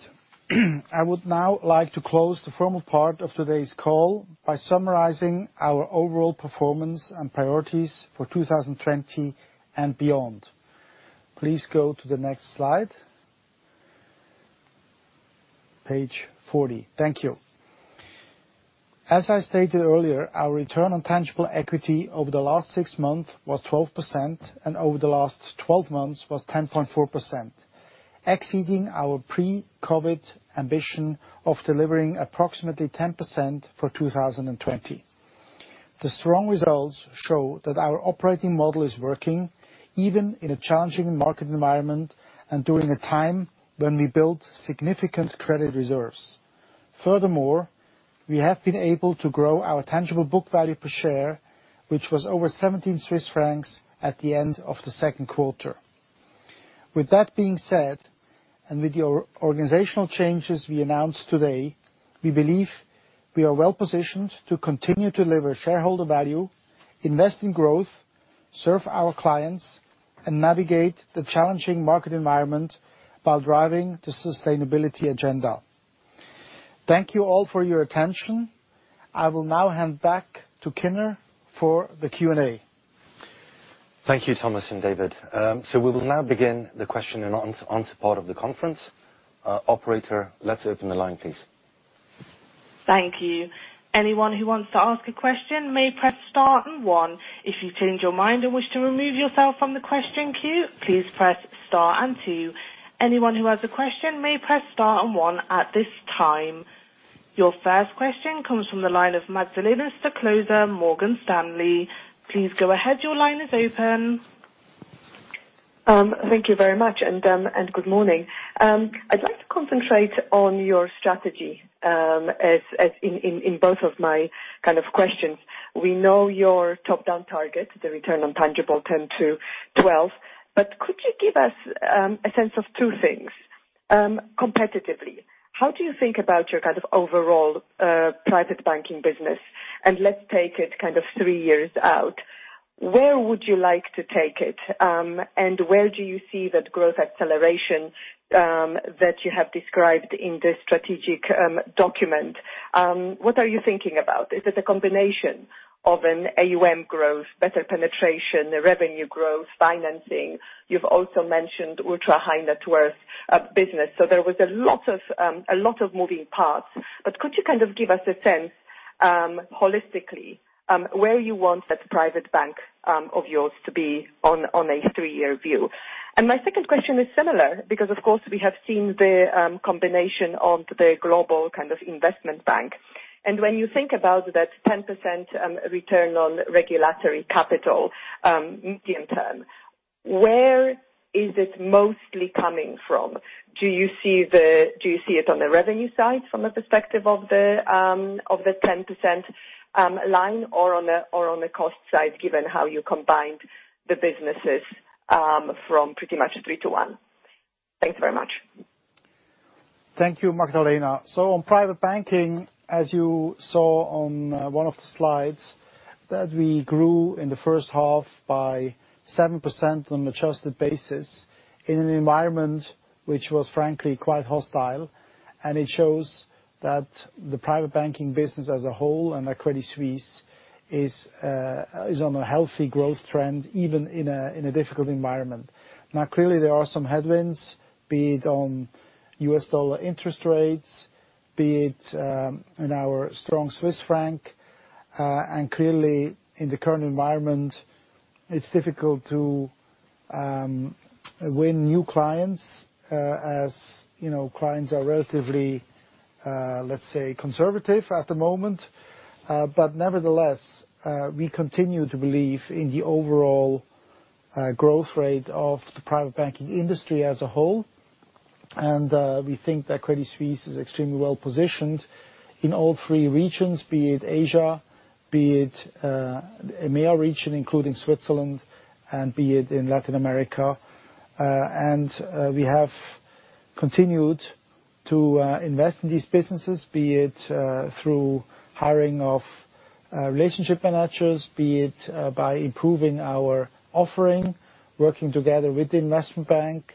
C: I would now like to close the formal part of today's call by summarizing our overall performance and priorities for 2020 and beyond. Please go to the next slide. Page 40. Thank you. As I stated earlier, our return on tangible equity over the last six months was 12% and over the last 12 months was 10.4%, exceeding our pre-COVID-19 ambition of delivering approximately 10% for 2020. The strong results show that our operating model is working, even in a challenging market environment and during a time when we built significant credit reserves. Furthermore, we have been able to grow our tangible book value per share, which was over 17 Swiss francs at the end of the second quarter. With that being said, with the organizational changes we announced today, we believe we are well-positioned to continue to deliver shareholder value, invest in growth, serve our clients, and navigate the challenging market environment while driving the sustainability agenda. Thank you all for your attention. I will now hand back to Kinner for the Q&A.
B: Thank you, Thomas and David. We will now begin the question and answer part of the conference. Operator, let's open the line, please.
A: Thank you. Anyone who wants to ask a question may press star and one. If you change your mind and wish to remove yourself from the question queue, please press star and two. Anyone who has a question may press star and one at this time. Your first question comes from the line of Magdalena Stoklosa, Morgan Stanley. Please go ahead. Your line is open.
E: Thank you very much, and good morning. I'd like to concentrate on your strategy, in both of my questions. We know your top-down target, the return on tangible 10%-12%. Could you give us a sense of two things? Competitively, how do you think about your overall private banking business? Let's take it 3 years out, where would you like to take it? Where do you see that growth acceleration that you have described in the strategic document? What are you thinking about? Is it a combination of an AUM growth, better penetration, revenue growth, financing? You've also mentioned ultra-high-net-worth business. There was a lot of moving parts. Could you give us a sense holistically, where you want that private bank of yours to be on a 3-year view? My second question is similar because, of course, we have seen the combination of the global Investment Bank. When you think about that 10% return on regulatory capital medium term, where is it mostly coming from? Do you see it on the revenue side from a perspective of the 10% line or on the cost side, given how you combined the businesses from pretty much 3 to 1? Thank you very much.
C: Thank you, Magdalena. On private banking, as you saw on one of the slides, that we grew in the first half by 7% on adjusted basis in an environment which was frankly quite hostile. It shows that the private banking business as a whole and at Credit Suisse is on a healthy growth trend, even in a difficult environment. Clearly, there are some headwinds, be it on US dollar interest rates, be it in our strong Swiss franc. Clearly, in the current environment, it's difficult to win new clients, as clients are relatively, let's say, conservative at the moment. Nevertheless, we continue to believe in the overall growth rate of the private banking industry as a whole. We think that Credit Suisse is extremely well-positioned in all three regions, be it Asia, be it EMEA region, including Switzerland, and be it in Latin America. We have continued to invest in these businesses, be it through hiring of relationship managers, be it by improving our offering, working together with the Investment Bank,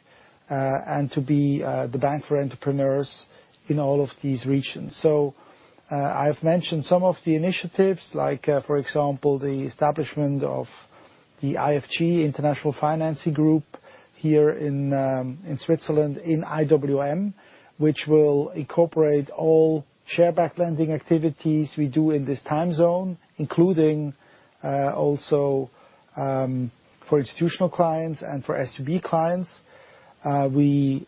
C: to be the bank for entrepreneurs in all of these regions. I have mentioned some of the initiatives, like for example, the establishment of the IFG, International Financing Group here in Switzerland in IWM, which will incorporate all share-backed lending activities we do in this time zone, including also, for institutional clients and for SUB clients. We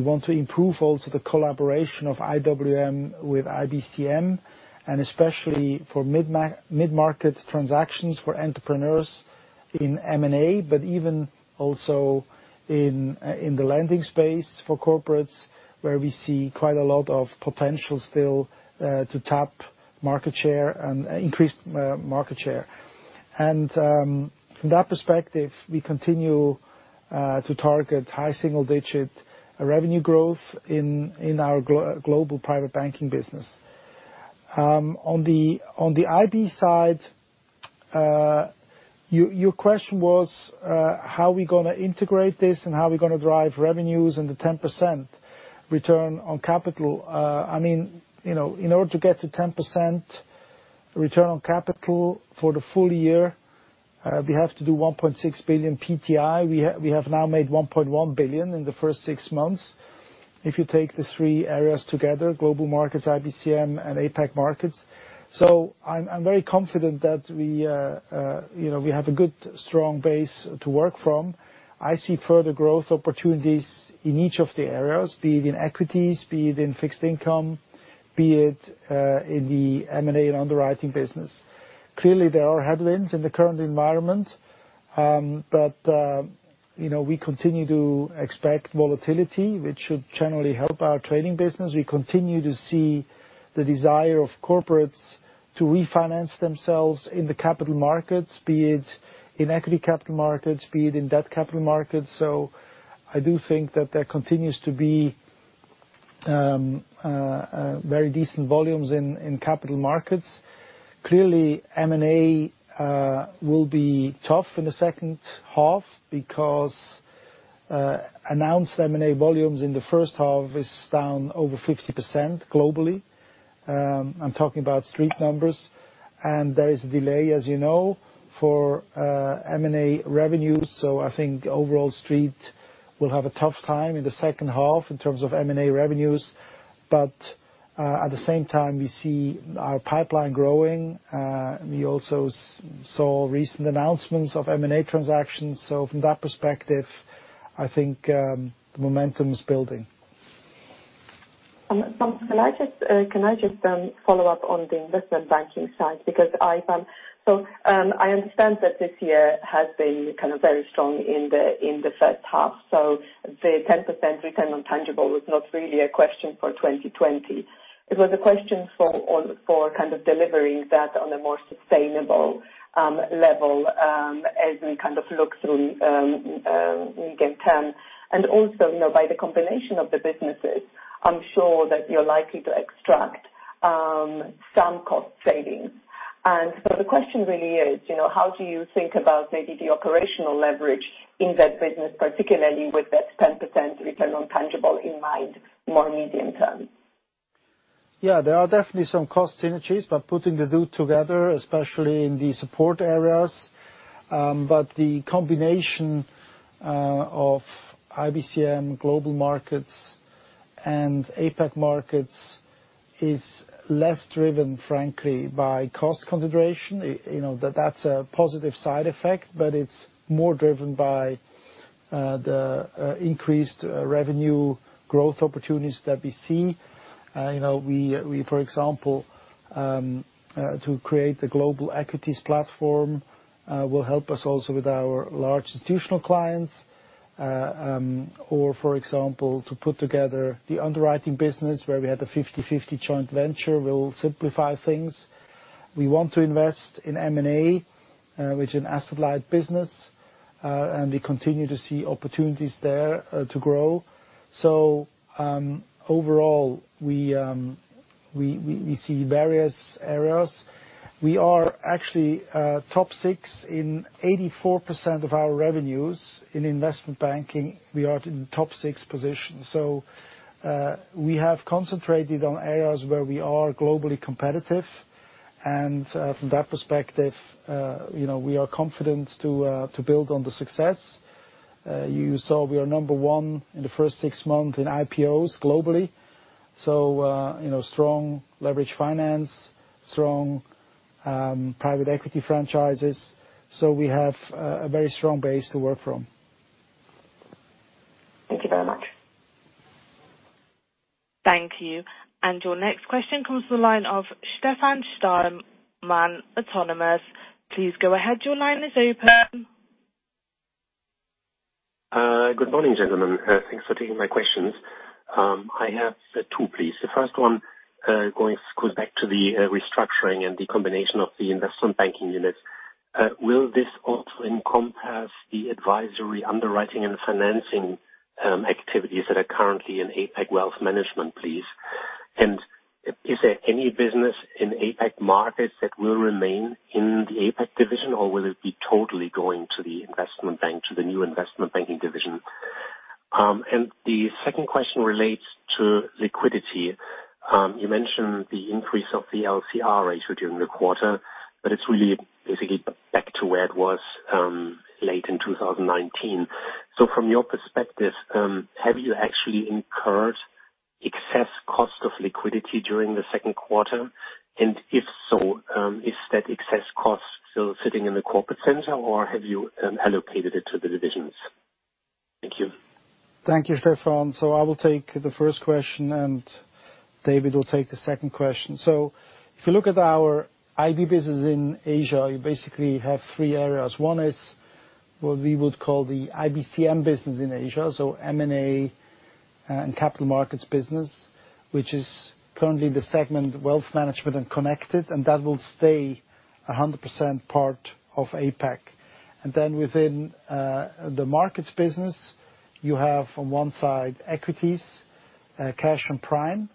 C: want to improve also the collaboration of IWM with IBCM, especially for mid-market transactions for entrepreneurs in M&A, but even also in the lending space for corporates, where we see quite a lot of potential still to tap market share and increase market share. From that perspective, we continue to target high single-digit revenue growth in our global private banking business. On the IB side, your question was, how we going to integrate this and how we going to drive revenues and the 10% return on capital. In order to get to 10% return on capital for the full year, we have to do 1.6 billion PTI. We have now made 1.1 billion in the first six months. If you take the three areas together, global markets, IBCM, and APAC markets. I'm very confident that we have a good, strong base to work from. I see further growth opportunities in each of the areas, be it in equities, be it in fixed income, be it in the M&A and underwriting business. Clearly, there are headwinds in the current environment. We continue to expect volatility, which should generally help our trading business. We continue to see the desire of corporates to refinance themselves in the capital markets, be it in equity capital markets, be it in debt capital markets. I do think that there continues to be very decent volumes in capital markets. Clearly, M&A will be tough in the second half because announced M&A volumes in the first half is down over 50% globally. I'm talking about street numbers. There is a delay, as you know, for M&A revenues. I think overall street will have a tough time in the second half in terms of M&A revenues. At the same time, we see our pipeline growing. We also saw recent announcements of M&A transactions. From that perspective, I think the momentum is building.
E: Can I just follow up on the Investment Banking side? I understand that this year has been kind of very strong in the first half. The 10% Return on Tangible was not really a question for 2020. It was a question for kind of delivering that on a more sustainable level as we kind of look through medium term. Also, by the combination of the businesses, I'm sure that you're likely to extract some cost savings. The question really is, how do you think about maybe the operational leverage in that business, particularly with that 10% Return on Tangible in mind, more medium-term?
C: Yeah, there are definitely some cost synergies by putting the two together, especially in the support areas. The combination of IBCM, global markets, and APAC markets is less driven, frankly, by cost consideration. That's a positive side effect, but it's more driven by the increased revenue growth opportunities that we see. For example, to create the global equities platform will help us also with our large institutional clients. For example, to put together the underwriting business where we had a 50/50 joint venture will simplify things. We want to invest in M&A, which in asset light business, and we continue to see opportunities there to grow. Overall, we see various areas. We are actually top six in 84% of our revenues. In investment banking, we are in top six position. We have concentrated on areas where we are globally competitive. From that perspective, we are confident to build on the success. You saw we are number 1 in the first six months in IPOs globally. Strong leverage finance, strong private equity franchises. We have a very strong base to work from.
E: Thank you very much.
A: Thank you. Your next question comes from the line of Stefan Stalmann, Autonomous. Please go ahead. Your line is open.
F: Good morning, gentlemen. Thanks for taking my questions. I have two, please. The first one goes back to the restructuring and the combination of the Investment Banking units. Will this also encompass the advisory underwriting and financing activities that are currently in APAC Wealth Management, please? Is there any business in APAC markets that will remain in the APAC division, or will it be totally going to the new Investment Banking division? The second question relates to liquidity. You mentioned the increase of the LCR ratio during the quarter, but it's really basically back to where it was late in 2019. From your perspective, have you actually incurred excess cost of liquidity during the second quarter? If so, is that excess cost still sitting in the Corporate Center, or have you allocated it to the divisions? Thank you.
C: Thank you, Stefan. I will take the first question, and David will take the second question. If you look at our IB business in Asia, you basically have three areas. One is what we would call the IBCM business in Asia. M&A and capital markets business, which is currently the segment wealth management and connected, and that will stay 100% part of APAC. Within the markets business, you have, on one side, equities, cash and prime,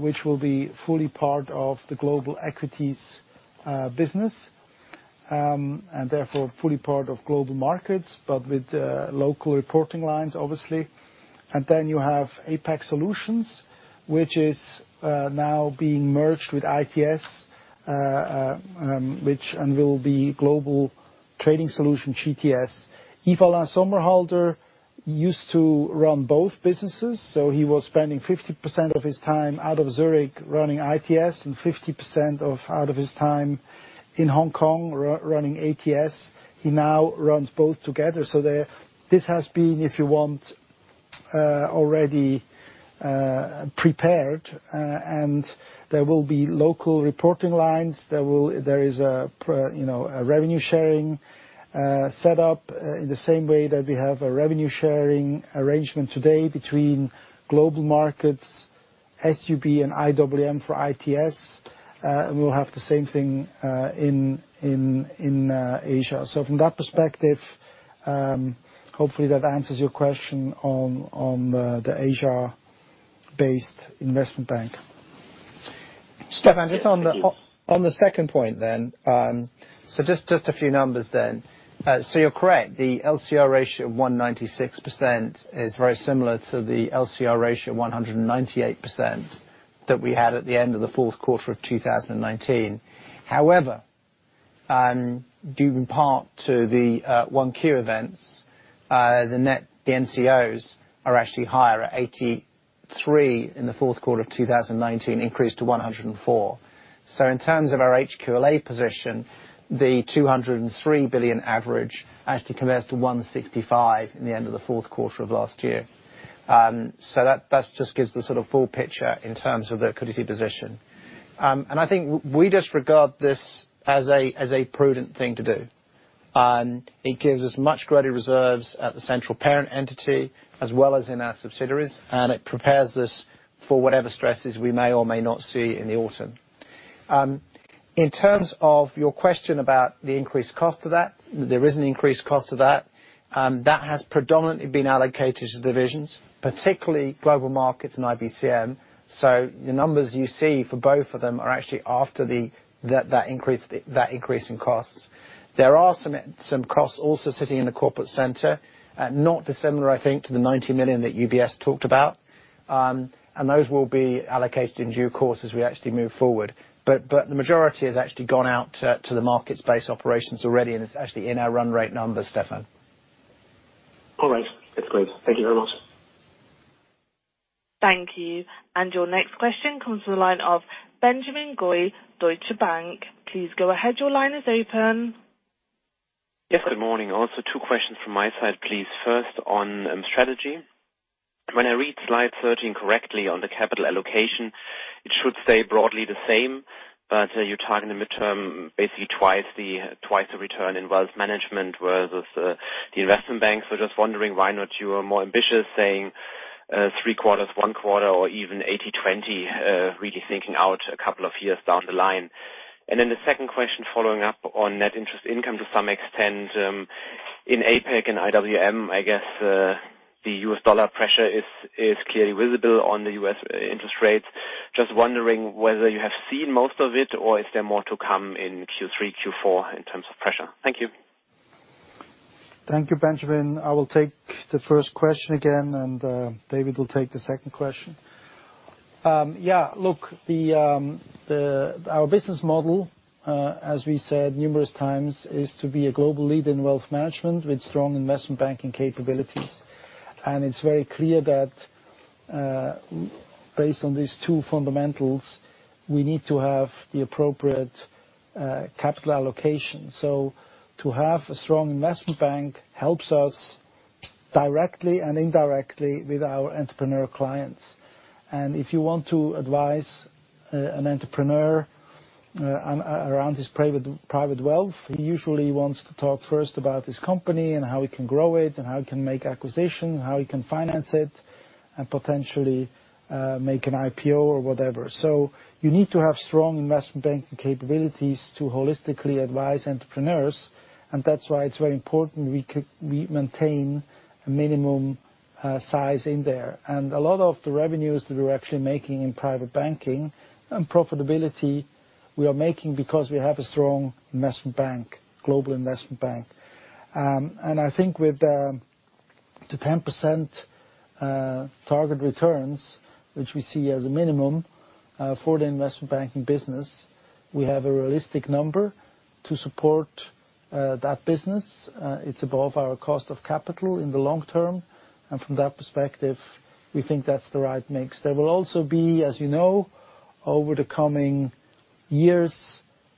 C: which will be fully part of the global equities business, and therefore fully part of global markets, but with local reporting lines, obviously. You have APAC solutions, which is now being merged with ITS and will be Global Trading Solution, GTS. Ivan Sommerhalder used to run both businesses. He was spending 50% of his time out of Zurich running ITS and 50% out of his time in Hong Kong running ATS. He now runs both together. This has been, if you want, already prepared. There will be local reporting lines. There is a revenue sharing set up in the same way that we have a revenue sharing arrangement today between global markets, SUB and IWM for ITS, and we'll have the same thing in Asia. From that perspective, hopefully that answers your question on the Asia-based investment bank.
F: Thank you.
D: Stefan, just on the second point then. Just a few numbers then. You're correct. The LCR ratio of 196% is very similar to the LCR ratio of 198% that we had at the end of the fourth quarter of 2019. However, due in part to the 1Q events, the NCOs are actually higher at 83 in the fourth quarter of 2019, increased to 104. In terms of our HQLA position, the 203 billion average actually compares to 165 in the end of the fourth quarter of last year. That just gives the sort of full picture in terms of the liquidity position. I think we just regard this as a prudent thing to do. It gives us much greater reserves at the central parent entity as well as in our subsidiaries, and it prepares us for whatever stresses we may or may not see in the autumn. In terms of your question about the increased cost of that, there is an increased cost of that. That has predominantly been allocated to divisions, particularly Global Markets and IBCM. The numbers you see for both of them are actually after that increase in costs. There are some costs also sitting in the Corporate Center, not dissimilar, I think, to the 90 million that UBS talked about. Those will be allocated in due course as we actually move forward. The majority has actually gone out to the markets-based operations already, and it's actually in our run rate numbers, Stefan.
F: All right. That's great. Thank you very much.
A: Thank you. Your next question comes from the line of Benjamin Goy, Deutsche Bank. Please go ahead. Your line is open.
G: Yes. Good morning. Also two questions from my side, please. First on strategy. When I read slide 13 correctly on the capital allocation, it should stay broadly the same, but you target in the midterm basically twice the return in wealth management versus the investment banks. Just wondering why not you are more ambitious saying three quarters, one quarter, or even 80/20, really thinking out a couple of years down the line. The second question, following up on net interest income to some extent, in APAC and IWM, I guess the U.S. dollar pressure is clearly visible on the U.S. interest rates. Just wondering whether you have seen most of it, or is there more to come in Q3, Q4, in terms of pressure? Thank you.
C: Thank you, Benjamin. I will take the first question again. David will take the second question. Look, our business model, as we said numerous times, is to be a global lead in wealth management with strong investment banking capabilities. It's very clear that based on these two fundamentals, we need to have the appropriate capital allocation. To have a strong investment bank helps us directly and indirectly with our entrepreneurial clients. If you want to advise an entrepreneur around his private wealth, he usually wants to talk first about his company and how he can grow it, how he can make acquisition, how he can finance it, and potentially make an IPO or whatever. You need to have strong investment banking capabilities to holistically advise entrepreneurs, and that's why it's very important we maintain a minimum size in there. A lot of the revenues that we're actually making in private banking and profitability, we are making because we have a strong global investment bank. I think with the 10% target returns, which we see as a minimum for the investment banking business, we have a realistic number to support that business. It's above our cost of capital in the long term. From that perspective, we think that's the right mix. There will also be, as you know, over the coming years,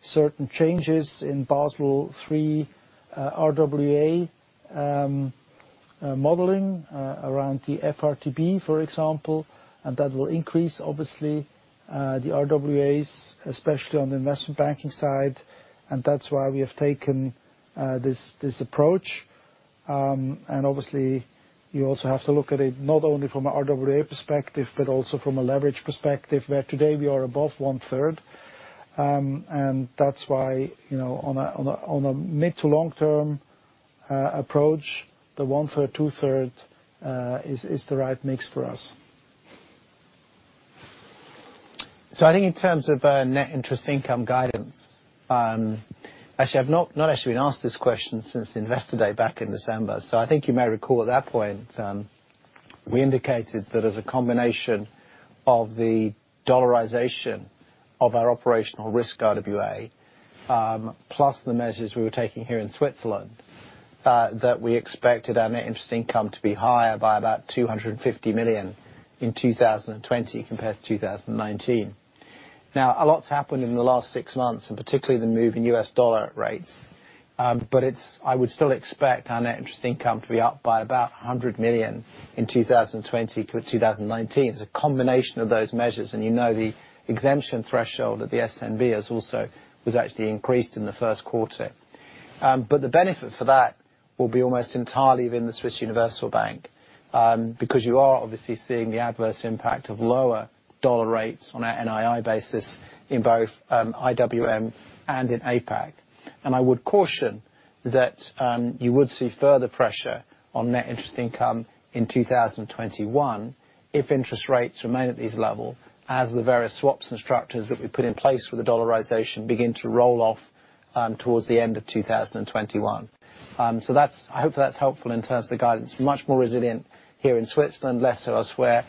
C: certain changes in Basel III RWA modeling around the FRTB, for example, and that will increase, obviously, the RWAs, especially on the investment banking side, and that's why we have taken this approach. Obviously, you also have to look at it not only from an RWA perspective, but also from a leverage perspective, where today we are above one-third. That's why, on a mid to long-term approach, the 1/3, 2/3 is the right mix for us.
D: I think in terms of net interest income guidance, I've not actually been asked this question since the Investor Day back in December. I think you may recall at that point, we indicated that as a combination of the dollarization of our operational risk RWA, plus the measures we were taking here in Switzerland, that we expected our net interest income to be higher by about 250 million in 2020 compared to 2019. A lot's happened in the last six months, and particularly the move in U.S. dollar rates. I would still expect our net interest income to be up by about 100 million in 2020-2019. It's a combination of those measures. You know the exemption threshold that the SNB was actually increased in the first quarter. The benefit for that will be almost entirely within the Swiss Universal Bank, because you are obviously seeing the adverse impact of lower dollar rates on our NII basis in both IWM and in APAC. I would caution that you would see further pressure on net interest income in 2021 if interest rates remain at this level, as the various swaps and structures that we put in place for the dollarization begin to roll off towards the end of 2021. I hope that's helpful in terms of the guidance. Much more resilient here in Switzerland, less so elsewhere.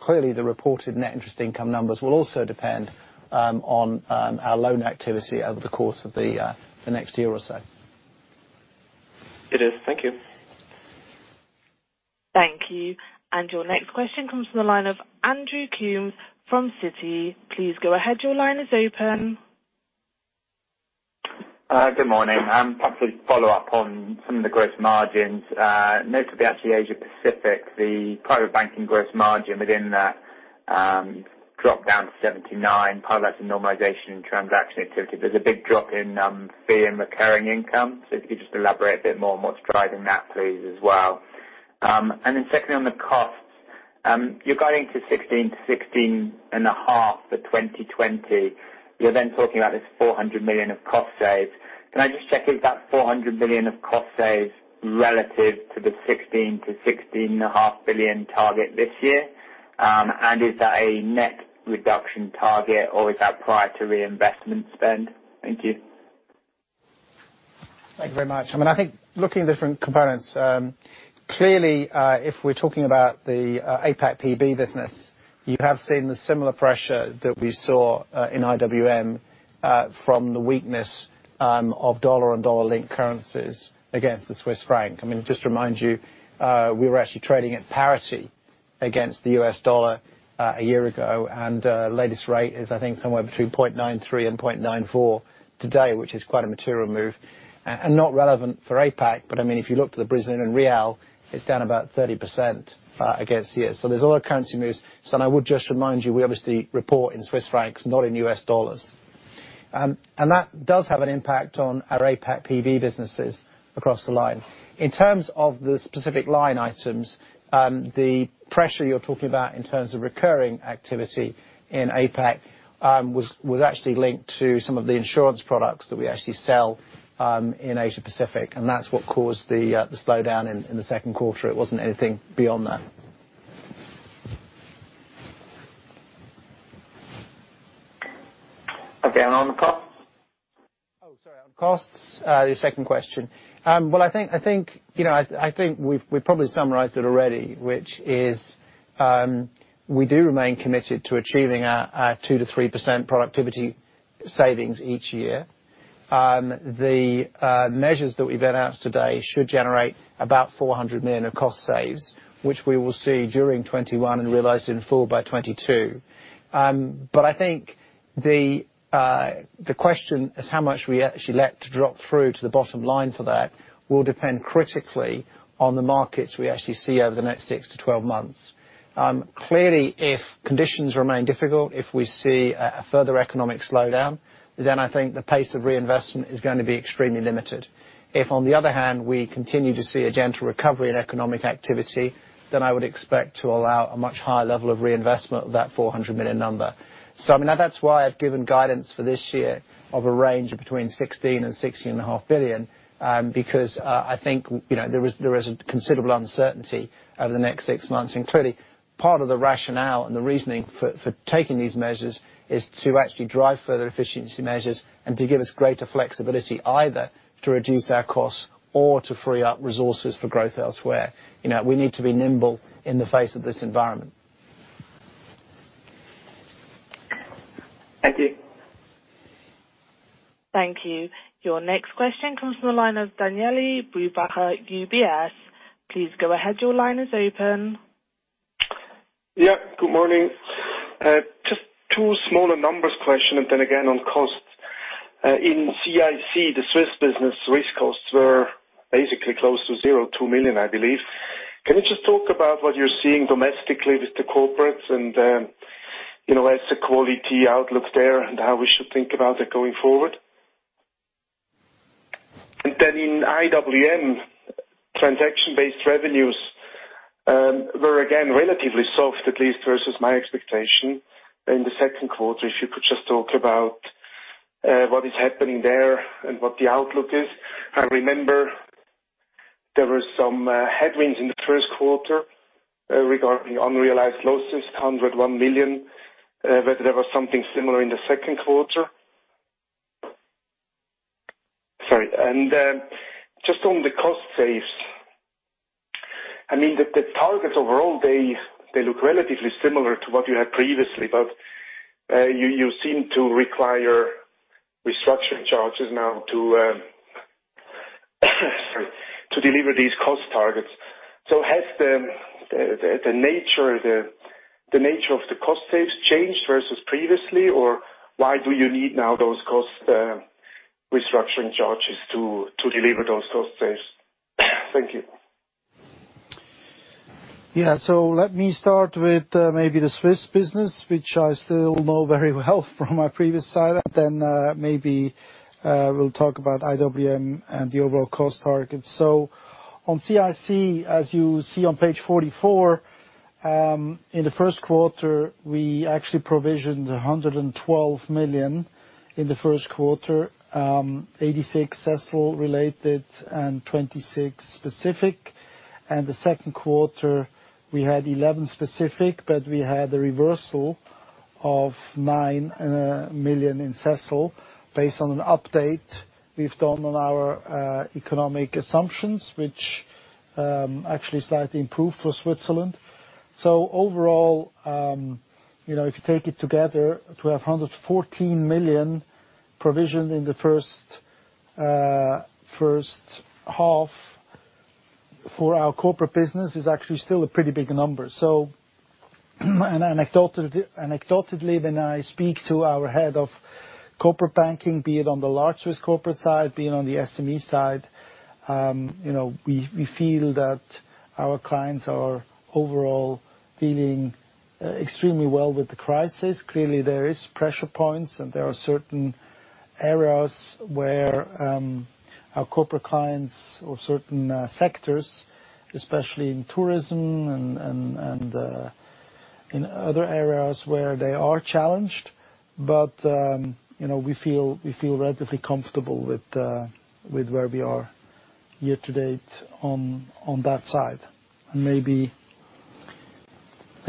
D: Clearly the reported net interest income numbers will also depend on our loan activity over the course of the next year or so.
G: It is. Thank you.
A: Thank you. Your next question comes from the line of Andrew Coombs from Citi. Please go ahead, your line is open.
H: Good morning. Perhaps we follow up on some of the gross margins, notably actually Asia Pacific. The private banking gross margin within that dropped down to 79%, part of that's a normalization in transaction activity. There's a big drop in fee and recurring income. If you could just elaborate a bit more on what's driving that please as well. Secondly, on the costs. You're guiding to 16 billion-16.5 billion for 2020. You're talking about this 400 million of cost saves. Can I just check if that's 400 million of cost saves relative to the 16 billion-16.5 billion target this year? Is that a net reduction target, or is that prior to reinvestment spend? Thank you.
D: Thank you very much. I think looking at different components, clearly, if we're talking about the APAC PB business, you have seen the similar pressure that we saw in IWM from the weakness of U.S. dollar and U.S. dollar-linked currencies against the Swiss franc. Just remind you, we were actually trading at parity against the U.S. dollar a year ago, and latest rate is, I think, somewhere between 0.93 and 0.94 today, which is quite a material move. Not relevant for APAC, if you look to the Brazilian real, it's down about 30% against the U.S. dollar. There's a lot of currency moves. I would just remind you, we obviously report in Swiss francs, not in U.S. dollars. That does have an impact on our APAC PB businesses across the line. In terms of the specific line items, the pressure you're talking about in terms of recurring activity in APAC, was actually linked to some of the insurance products that we actually sell in Asia Pacific, and that's what caused the slowdown in the second quarter. It wasn't anything beyond that.
H: Again, on the costs.
D: Oh, sorry. On costs, your second question. I think we've probably summarized it already, which is, we do remain committed to achieving our 2%-3% productivity savings each year. The measures that we've announced today should generate about 400 million of cost saves, which we will see during 2021 and realized in full by 2022. I think the question is how much we actually let drop through to the bottom line for that will depend critically on the markets we actually see over the next 6-12 months. Clearly, if conditions remain difficult, if we see a further economic slowdown, then I think the pace of reinvestment is going to be extremely limited. If, on the other hand, we continue to see a gentle recovery in economic activity, then I would expect to allow a much higher level of reinvestment of that 400 million number. That's why I've given guidance for this year of a range of between 16 billion and 16.5 billion, because I think there is a considerable uncertainty over the next six months. Clearly, part of the rationale and the reasoning for taking these measures is to actually drive further efficiency measures and to give us greater flexibility, either to reduce our costs or to free up resources for growth elsewhere. We need to be nimble in the face of this environment. Thank you.
A: Thank you. Your next question comes from the line of Daniele Brupbacher, UBS. Please go ahead. Your line is open.
I: Yeah. Good morning. Just two smaller numbers question, then again on costs. In C&IC, the Swiss business risk costs were basically close to zero, 2 million, I believe. Can you just talk about what you're seeing domestically with the corporates and what's the quality outlook there, and how we should think about it going forward? Then in IWM, transaction-based revenues were again, relatively soft, at least versus my expectation in the second quarter. If you could just talk about what is happening there and what the outlook is. I remember there were some headwinds in the first quarter regarding unrealized losses, 101 million, but there was something similar in the second quarter. Sorry. Just on the cost saves. The targets overall, they look relatively similar to what you had previously, but you seem to require restructuring charges now to sorry, deliver these cost targets. Has the nature of the cost saves changed versus previously, or why do you need now those cost restructuring charges to deliver those cost saves? Thank you.
C: Let me start with maybe the Swiss business, which I still know very well from my previous side. Maybe we'll talk about IWM and the overall cost targets. On C&IC, as you see on page 44, in the first quarter, we actually provisioned 112 million. In the first quarter, 86 CECL related and 26 specific. The second quarter, we had 11 specific, but we had a reversal of nine million in CECL, based on an update we've done on our economic assumptions, which actually slightly improved for Switzerland. Overall, if you take it together, to have 114 million provisioned in the first half for our corporate business is actually still a pretty big number. Anecdotally, when I speak to our head of corporate banking, be it on the large risk corporate side, be it on the SME side, we feel that our clients are overall feeling extremely well with the crisis. Clearly, there is pressure points, and there are certain areas where our corporate clients or certain sectors, especially in tourism and in other areas where they are challenged. We feel relatively comfortable with where we are year to date on that side.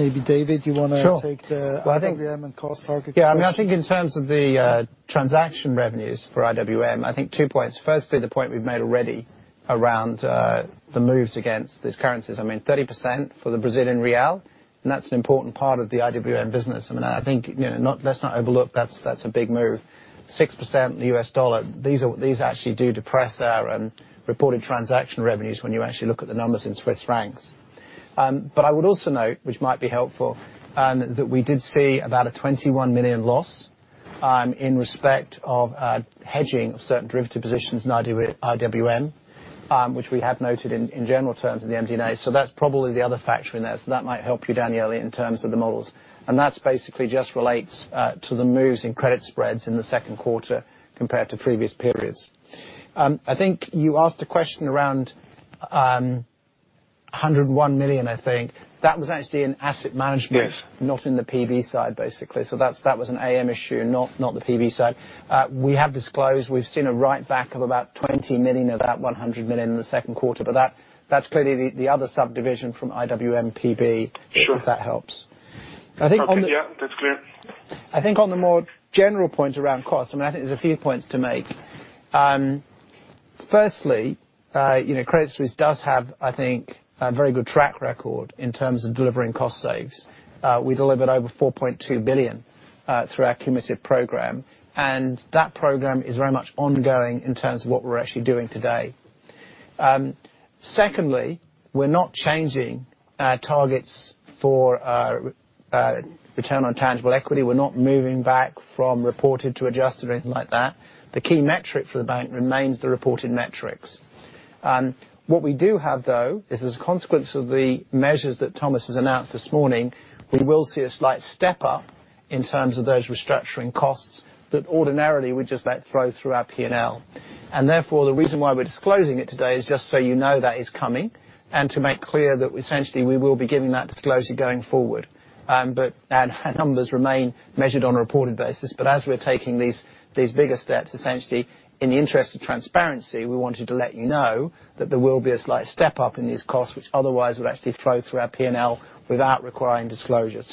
C: Maybe David, you want to.
D: Sure
C: take the IWM and cost target questions?
D: Yeah. I think in terms of the transaction revenues for IWM, I think two points. The point we've made already around the moves against these currencies. 30% for the Brazilian real. That's an important part of the IWM business. I think let's not overlook, that's a big move. 6% the U.S. dollar. These actually do depress our reported transaction revenues when you actually look at the numbers in CHF. I would also note, which might be helpful, that we did see about a 21 million loss in respect of hedging of certain derivative positions in IWM, which we have noted in general terms in the MD&A. That's probably the other factor in there. That might help you, Daniele, in terms of the models. That's basically just relates to the moves in credit spreads in the second quarter compared to previous periods. I think you asked a question around 101 million, I think. That was actually in asset management.
I: Sure not in the PB side, basically. That was an AM issue, not the PB side. We have disclosed, we've seen a write-back of about 20 million of that 100 million in the second quarter, but that's clearly the other subdivision from IWM PB. Sure if that helps. Okay, yeah. That's clear.
D: I think on the more general points around costs, I think there's a few points to make. Firstly, Credit Suisse does have, I think, a very good track record in terms of delivering cost saves. We delivered over 4.2 billion, through our cumulative program, and that program is very much ongoing in terms of what we're actually doing today. Secondly, we're not changing our targets for return on tangible equity. We're not moving back from reported to adjusted or anything like that. The key metric for the bank remains the reported metrics. What we do have, though, is as a consequence of the measures that Thomas has announced this morning, we will see a slight step-up in terms of those restructuring costs that ordinarily we just let flow through our P&L. Therefore, the reason why we're disclosing it today is just so you know that is coming, and to make clear that essentially we will be giving that disclosure going forward. Our numbers remain measured on a reported basis, but as we're taking these bigger steps, essentially in the interest of transparency, we wanted to let you know that there will be a slight step-up in these costs, which otherwise would actually flow through our P&L without requiring disclosure.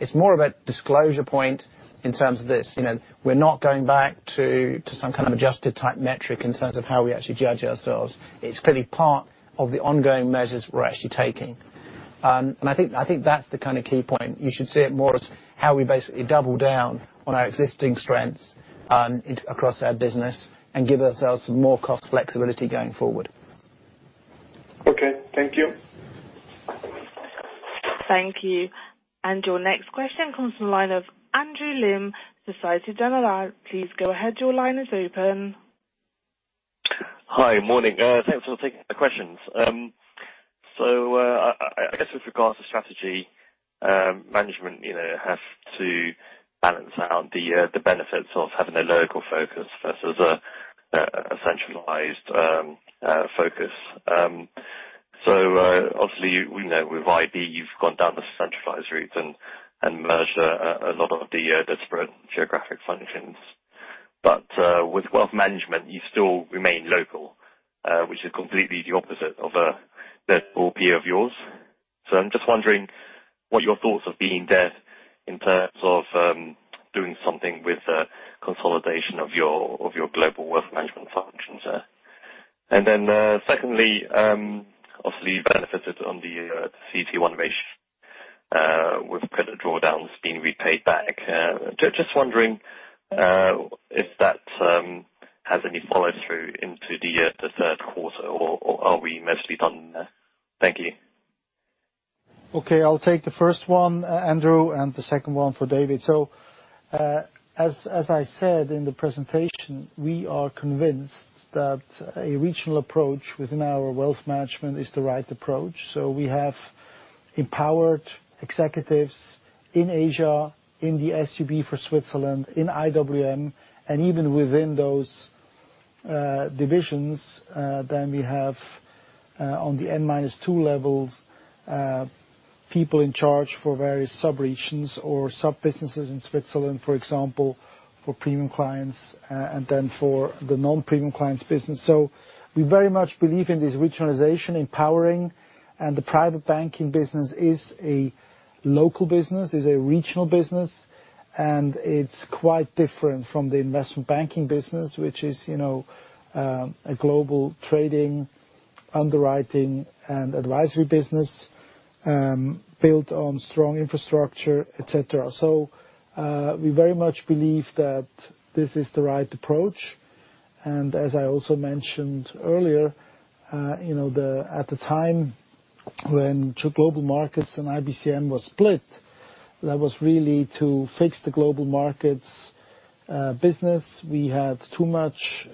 D: It's more of a disclosure point in terms of this. We're not going back to some kind of adjusted type metric in terms of how we actually judge ourselves. It's clearly part of the ongoing measures we're actually taking. I think that's the key point.
I: You should see it more as how we basically double down on our existing strengths across our business and give ourselves more cost flexibility going forward.
C: Okay. Thank you.
A: Thank you. Your next question comes from the line of. Please go ahead. Your line is open. Andrew Lim, Societe Generale
J: Hi. Morning. Thanks for taking the questions. I guess with regards to strategy, management has to balance out the benefits of having a local focus versus a centralized focus. Obviously, we know with IB, you've gone down the centralized route and merged a lot of the disparate geographic functions. With wealth management, you still remain local, which is completely the opposite of a peer of yours. I'm just wondering what your thoughts have been there in terms of doing something with consolidation of your global wealth management functions there. Secondly, obviously you benefited on the CET1 ratio, with credit drawdowns being repaid back. Just wondering if that has any follow-through into the third quarter or are we mostly done there? Thank you.
C: Okay. I'll take the first one, Andrew, and the second one for David. As I said in the presentation, we are convinced that a regional approach within our wealth management is the right approach. We have empowered executives in Asia, in the SUB for Switzerland, in IWM, and even within those divisions, we have, on the N-2 levels, people in charge for various subregions or sub-businesses in Switzerland, for example, for premium clients, and for the non-premium clients business. We very much believe in this regionalization empowering, and the private banking business is a local business, is a regional business, and it's quite different from the investment banking business, which is a global trading, underwriting, and advisory business, built on strong infrastructure, et cetera. We very much believe that this is the right approach. As I also mentioned earlier, at the time when two global markets and IBCM was split, that was really to fix the global markets business. We had too much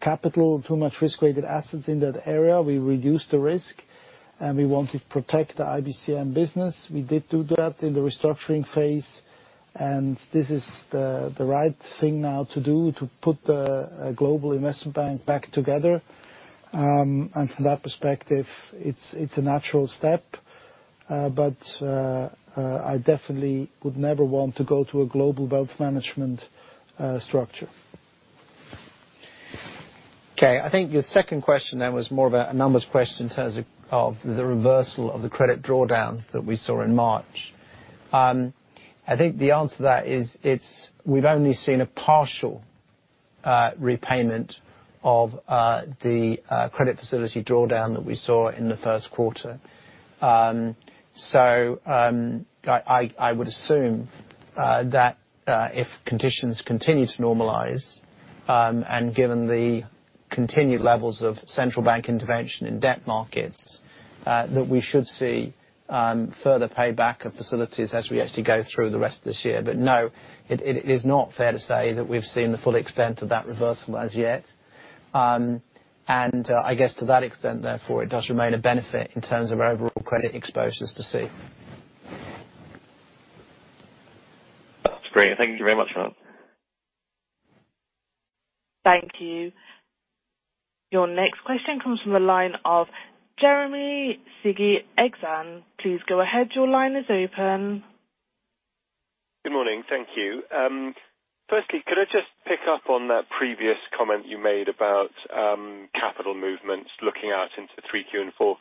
C: capital, too much Risk-Weighted Assets in that area. We reduced the risk, and we wanted to protect the IBCM business. We did do that in the restructuring phase, and this is the right thing now to do, to put a global investment bank back together. From that perspective, it's a natural step. I definitely would never want to go to a global wealth management structure.
D: I think your second question was more of a numbers question in terms of the reversal of the credit drawdowns that we saw in March. I think the answer to that is we've only seen a partial repayment of the credit facility drawdown that we saw in the first quarter. I would assume that if conditions continue to normalize, and given the continued levels of central bank intervention in debt markets, that we should see further payback of facilities as we actually go through the rest of this year. No, it is not fair to say that we've seen the full extent of that reversal as yet. I guess to that extent, therefore, it does remain a benefit in terms of our overall credit exposures to see.
J: That's great. Thank you very much.
A: Thank you. Your next question comes from the line of Jeremy Sigee, Exane. Please go ahead. Your line is open.
K: Good morning. Thank you. Could I just pick up on that previous comment you made about capital movements looking out into 3Q and 4Q.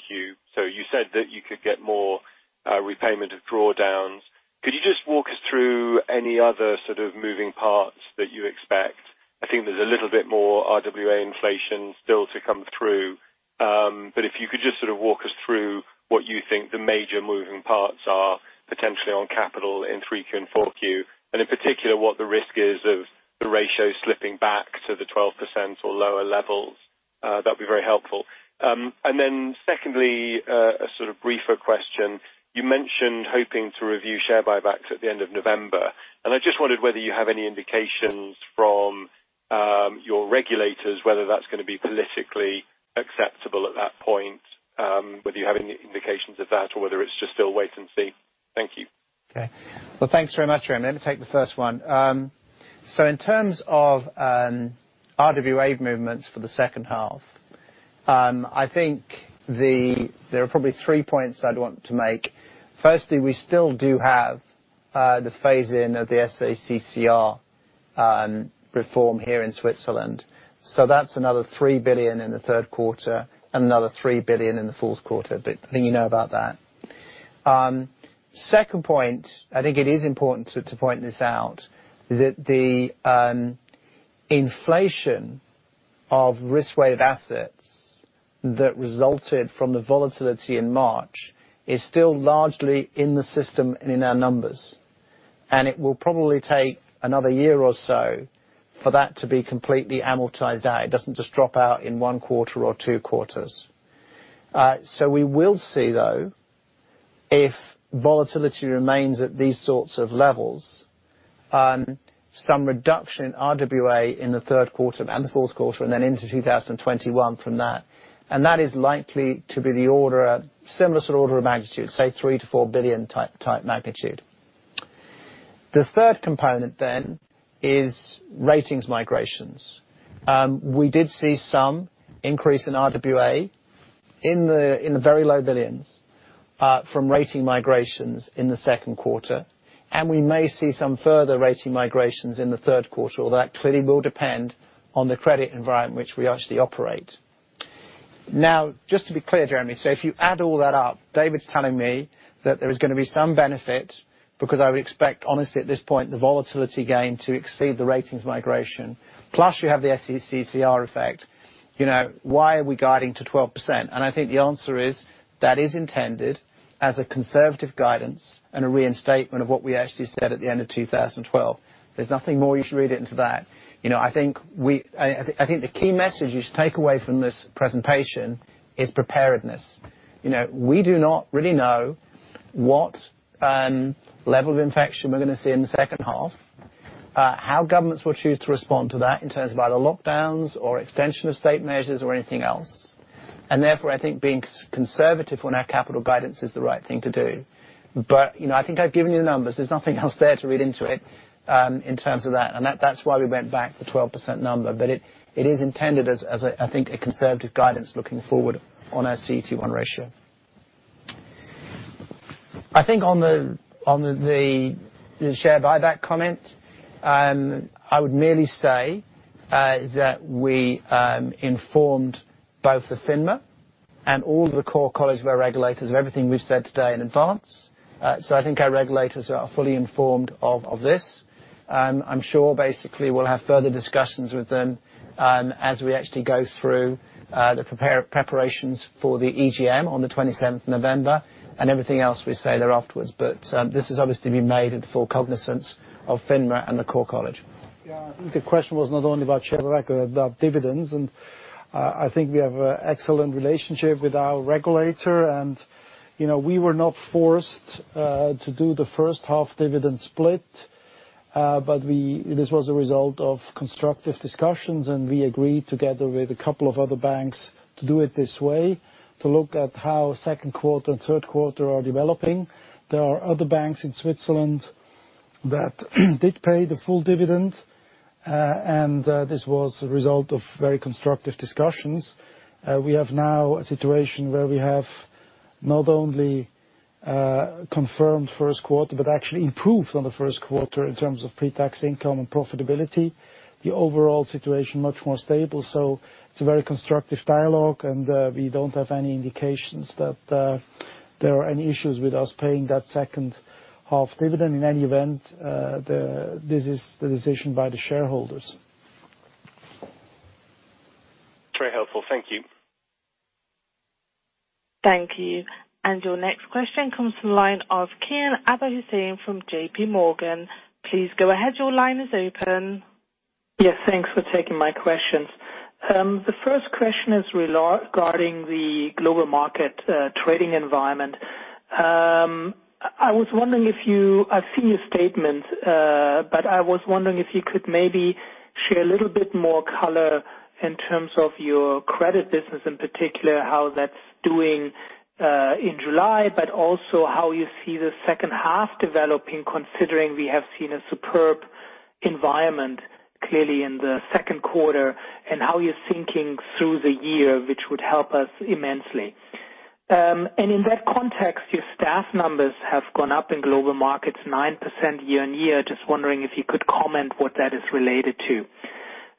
K: You said that you could get more repayment of drawdowns. Could you just walk us through any other sort of moving parts that you expect? I think there's a little bit more RWA inflation still to come through. If you could just sort of walk us through what you think the major moving parts are potentially on capital in 3Q and 4Q, and in particular, what the risk is of the ratio slipping back to the 12% or lower levels. That'd be very helpful. Secondly, a sort of briefer question. You mentioned hoping to review share buybacks at the end of November, and I just wondered whether you have any indications from your regulators whether that's going to be politically acceptable at that point, whether you have any indications of that or whether it's just still wait and see. Thank you.
D: Okay. Well, thanks very much, Jeremy. Let me take the first one. In terms of RWA movements for the second half, I think there are probably three points I'd want to make. Firstly, we still do have the phase-in of the SA-CCR reform here in Switzerland. That's another 3 billion in the third quarter and another 3 billion in the fourth quarter. I think you know about that. Second point, I think it is important to point this out, that the inflation of risk-weighted assets that resulted from the volatility in March is still largely in the system and in our numbers. It will probably take another year or so for that to be completely amortized out. It doesn't just drop out in one quarter or two quarters. We will see, though, if volatility remains at these sorts of levels, some reduction in RWA in the third quarter and the fourth quarter, and then into 2021 from that. That is likely to be similar sort of order of magnitude, say 3-4 billion type magnitude. The third component then is ratings migrations. We did see some increase in RWA in the very low billions from rating migrations in the second quarter. We may see some further rating migrations in the third quarter, although that clearly will depend on the credit environment which we actually operate. Just to be clear, Jeremy, if you add all that up, David's telling me that there is going to be some benefit because I would expect, honestly, at this point, the volatility gain to exceed the ratings migration. Plus you have the SA-CCR effect. Why are we guiding to 12%? I think the answer is that is intended as a conservative guidance and a reinstatement of what we actually said at the end of 2012. There's nothing more you should read into that. I think the key message you should take away from this presentation is preparedness. We do not really know what level of infection we're going to see in the second half, how governments will choose to respond to that in terms of either lockdowns or extension of state measures or anything else. Therefore, I think being conservative on our capital guidance is the right thing to do. I think I've given you the numbers. There's nothing else there to read into it in terms of that. That's why we went back the 12% number. It is intended as, I think, a conservative guidance looking forward on our CET1 ratio. I think on the share buyback comment, I would merely say that we informed both the FINMA and all the core college regulators of everything we've said today in advance. I think our regulators are fully informed of this. I'm sure basically we'll have further discussions with them as we actually go through the preparations for the EGM on the 27th of November and everything else we say there afterwards. This has obviously been made at the full cognizance of FINMA and the core college.
C: Yeah. I think the question was not only about share record, about dividends, I think we have an excellent relationship with our regulator and we were not forced to do the first half dividend split. This was a result of constructive discussions, we agreed together with a couple of other banks to do it this way to look at how second quarter and third quarter are developing. There are other banks in Switzerland that did pay the full dividend, this was a result of very constructive discussions. We have now a situation where we have not only confirmed first quarter, but actually improved on the first quarter in terms of pre-tax income and profitability. The overall situation much more stable. It's a very constructive dialogue we don't have any indications that there are any issues with us paying that second half dividend. In any event, this is the decision by the shareholders.
K: Very helpful. Thank you.
A: Thank you. Your next question comes from the line of Kian Abouhossein from JPMorgan. Please go ahead. Your line is open.
L: Yes, thanks for taking my questions. The first question is regarding the global market trading environment. I've seen your statement, but I was wondering if you could maybe share a little bit more color in terms of your credit business, in particular, how that's doing in July, but also how you see the second half developing, considering we have seen a superb environment, clearly in the second quarter, and how you're thinking through the year, which would help us immensely. In that context, your staff numbers have gone up in global markets 9% year-on-year. Just wondering if you could comment what that is related to.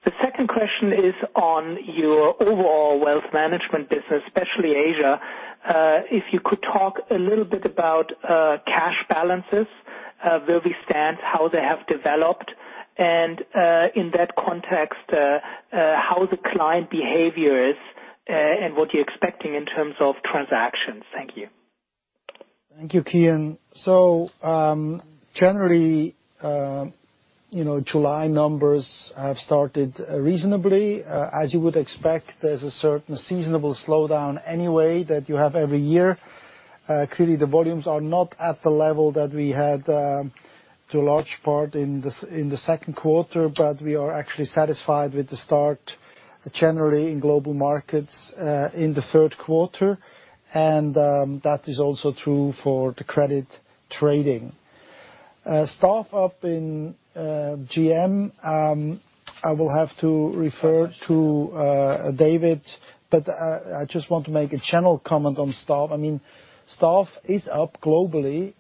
L: The second question is on your overall wealth management business, especially Asia. If you could talk a little bit about cash balances, where we stand, how they have developed. In that context, how the client behavior is and what you're expecting in terms of transactions. Thank you.
C: Thank you, Kian. Generally, July numbers have started reasonably. As you would expect, there's a certain seasonable slowdown anyway that you have every year. Clearly, the volumes are not at the level that we had to a large part in the second quarter, but we are actually satisfied with the start, generally in Global Markets, in the third quarter. That is also true for the credit trading. Staff up in GM, I will have to refer to David, but I just want to make a general comment on staff. Staff is up globally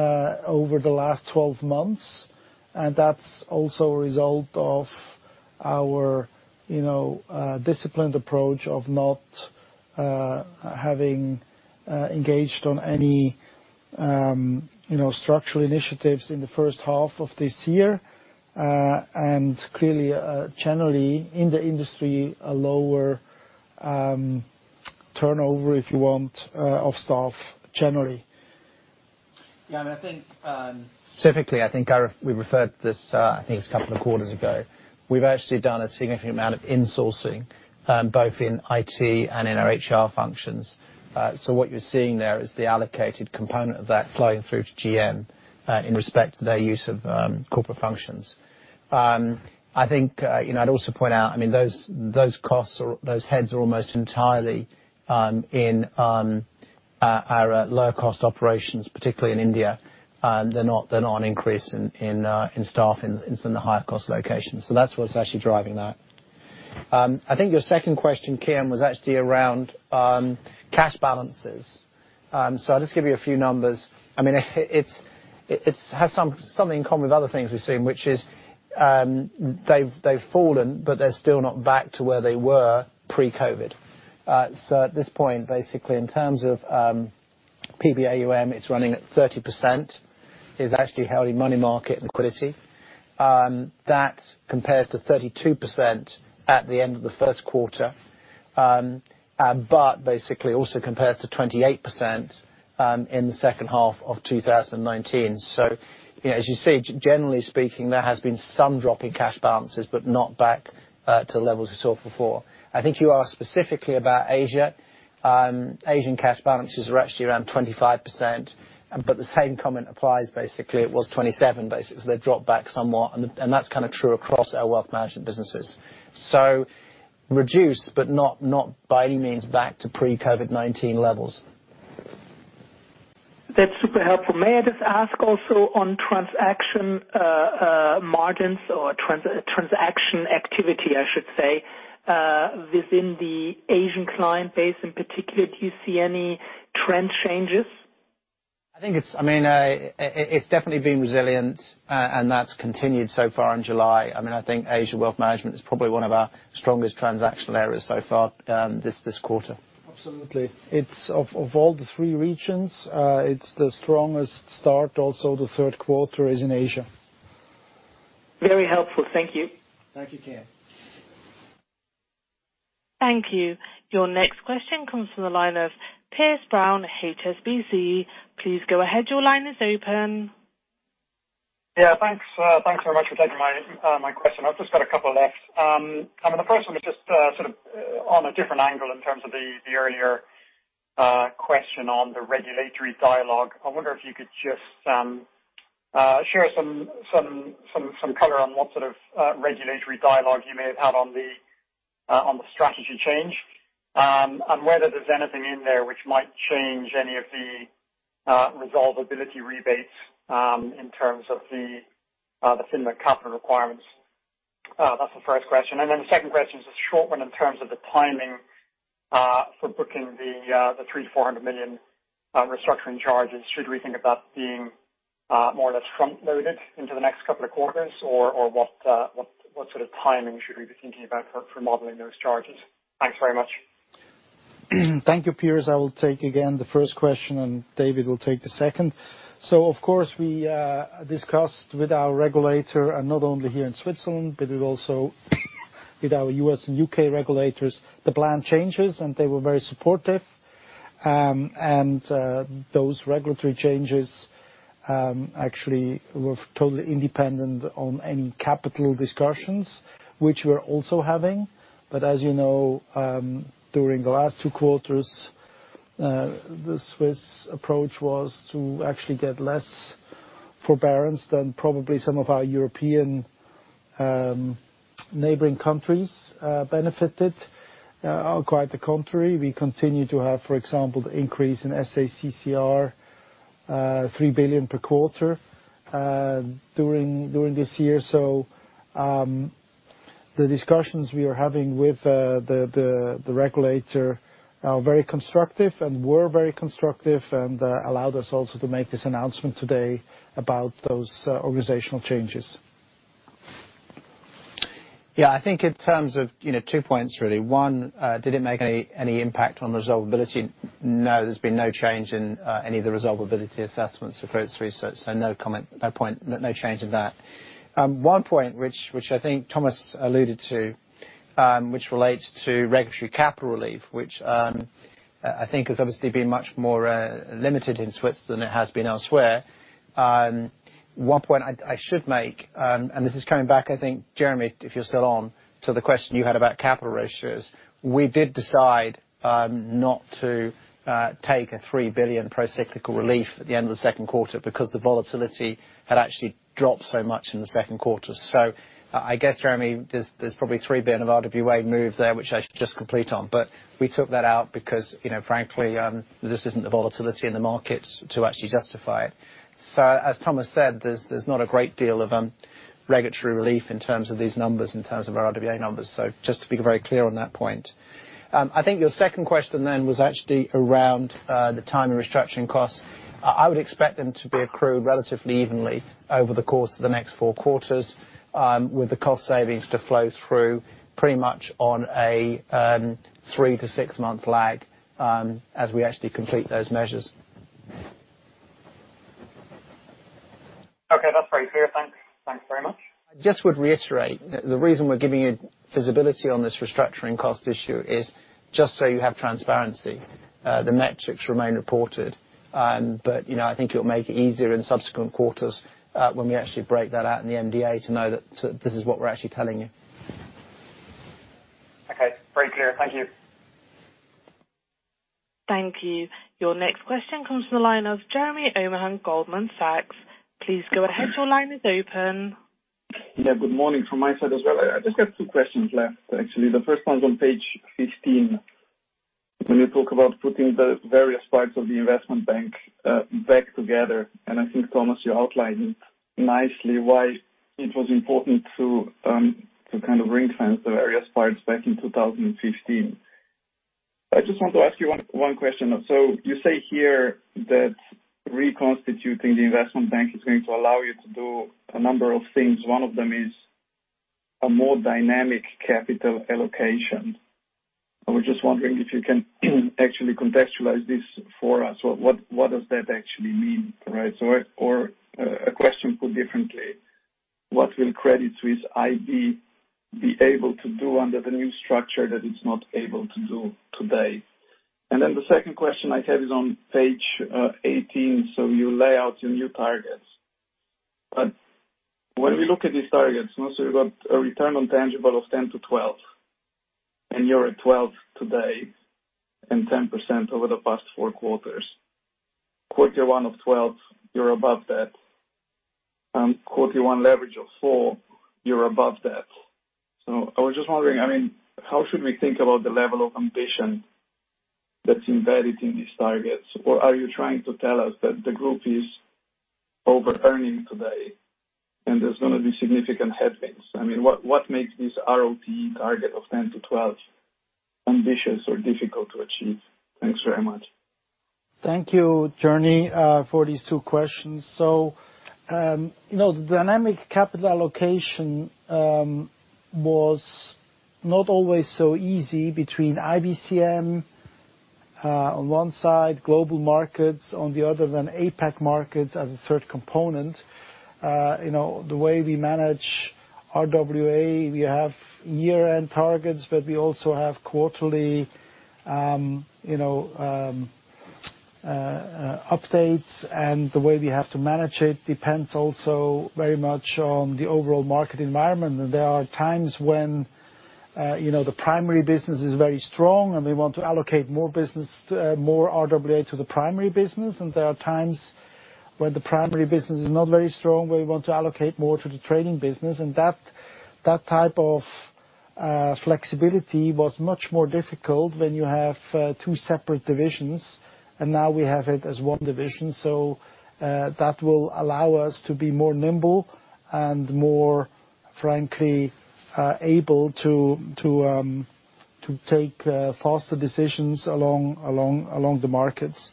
C: over the last 12 months, and that's also a result of our disciplined approach of not having engaged on any structural initiatives in the first half of this year. Clearly, generally in the industry, a lower turnover, if you want, of staff generally.
D: I think specifically, we referred to this, it was a couple of quarters ago. We've actually done a significant amount of insourcing, both in IT and in our HR functions. What you're seeing there is the allocated component of that flowing through to GM in respect to their use of corporate functions. I'd also point out, those heads are almost entirely in our lower cost operations, particularly in India. They're not an increase in staff in the higher cost locations. That's what's actually driving that. I think your second question, Kian, was actually around cash balances. I'll just give you a few numbers. It has something in common with other things we've seen, which is they've fallen, but they're still not back to where they were pre-COVID-19. At this point, basically in terms of PB AUM, it is running at 30%, is actually held in money market liquidity. That compares to 32% at the end of the first quarter. Basically, also compares to 28% in the second half of 2019. As you see, generally speaking, there has been some drop in cash balances, but not back to levels we saw before. I think you asked specifically about Asia. Asian cash balances are actually around 25%, but the same comment applies, basically, it was 27%, basically. They have dropped back somewhat, and that is kind of true across our wealth management businesses. Reduced, but not by any means back to pre-COVID-19 levels.
L: That's super helpful. May I just ask also on transaction margins or transaction activity, I should say, within the Asian client base in particular, do you see any trend changes?
D: It's definitely been resilient, and that's continued so far in July. I think Asia Wealth Management is probably one of our strongest transactional areas so far this quarter.
C: Absolutely. Of all the three regions, it's the strongest start, also the third quarter is in Asia.
L: Very helpful. Thank you.
C: Thank you, Kian.
A: Thank you. Your next question comes from the line of Piers Brown, HSBC. Please go ahead. Your line is open.
M: Yeah, thanks very much for taking my question. I've just got two left. The first one is just sort of on a different angle in terms of the earlier question on the regulatory dialogue. I wonder if you could just share some color on what sort of regulatory dialogue you may have had on the strategy change. Whether there's anything in there which might change any of the resolvability rebates in terms of the FINMA capital requirements. That's the first question. The second question is a short one in terms of the timing for booking the 300 million, 400 million restructuring charges. Should we think about being more or less front-loaded into the next two quarters? Or what sort of timing should we be thinking about for modeling those charges? Thanks very much.
C: Thank you, Piers. I will take again the first question. David will take the second. Of course we discussed with our regulator, not only here in Switzerland, but also with our U.S. and U.K. regulators, the planned changes. They were very supportive. Those regulatory changes actually were totally independent on any capital discussions which we're also having. As you know, during the last two quarters, the Swiss approach was to actually get less forbearance than probably some of our European neighboring countries benefited. On quite the contrary, we continue to have, for example, the increase in SA-CCR, 3 billion per quarter during this year. The discussions we are having with the regulator are very constructive and were very constructive, and allowed us also to make this announcement today about those organizational changes.
D: I think in terms of two points really. One, did it make any impact on resolvability? No, there's been no change in any of the resolvability assessments for Credit Suisse, so no comment, no point, no change in that. One point which I think Thomas alluded to, which relates to regulatory capital relief, which I think has obviously been much more limited in Swiss than it has been elsewhere. One point I should make, and this is coming back, I think, Jeremy, if you're still on, to the question you had about capital ratios. We did decide not to take a 3 billion pro-cyclical relief at the end of the second quarter because the volatility had actually dropped so much in the second quarter. I guess, Jeremy, there's probably 3 billion of RWA move there, which I should just complete on. We took that out because, frankly, this isn't the volatility in the market to actually justify it. As Thomas said, there's not a great deal of regulatory relief in terms of these numbers, in terms of our RWA numbers. Just to be very clear on that point. I think your second question then was actually around the timing restructuring costs. I would expect them to be accrued relatively evenly over the course of the next four quarters, with the cost savings to flow through pretty much on a three to six-month lag, as we actually complete those measures.
M: Okay, that's very clear. Thanks. Thanks very much.
D: I just would reiterate, the reason we're giving you visibility on this restructuring cost issue is just so you have transparency. The metrics remain reported. I think it'll make it easier in subsequent quarters, when we actually break that out in the MD&A, to know that this is what we're actually telling you.
M: Okay. Very clear. Thank you.
A: Thank you. Your next question comes from the line of Jernej Omahen, Goldman Sachs. Please go ahead. Your line is open.
N: Good morning from my side as well. I just got two questions left, actually. The first one's on page 15, when you talk about putting the various parts of the investment bank back together, and I think, Thomas, you outlined it nicely why it was important to kind of ring-fence the various parts back in 2015. I just want to ask you one question. You say here that reconstituting the investment bank is going to allow you to do a number of things. One of them is a more dynamic capital allocation. I was just wondering if you can actually contextualize this for us. What does that actually mean, right? A question put differently, what will Credit Suisse IB be able to do under the new structure that it's not able to do today? The second question I have is on page 18, you lay out your new targets. When we look at these targets, you've got a return on tangible of 10-12, and you're at 12 today and 10% over the past 4 quarters. Quarter one of 12, you're above that. Quarter one leverage of four, you're above that. I was just wondering, how should we think about the level of ambition that's embedded in these targets? Are you trying to tell us that the group is overearning today and there's going to be significant headwinds? What makes this ROTE target of 10-12 ambitious or difficult to achieve? Thanks very much.
C: Thank you, Jernej, for these two questions. The dynamic capital allocation was not always so easy between IBCM on one side, Global Markets on the other, then APAC Markets as a third component. The way we manage RWA, we have year-end targets, but we also have quarterly updates. The way we have to manage it depends also very much on the overall market environment. There are times when the primary business is very strong, and we want to allocate more RWA to the primary business. There are times where the primary business is not very strong, where we want to allocate more to the trading business. That type of flexibility was much more difficult when you have two separate divisions. Now we have it as one division, that will allow us to be more nimble and more frankly able to take faster decisions along the markets.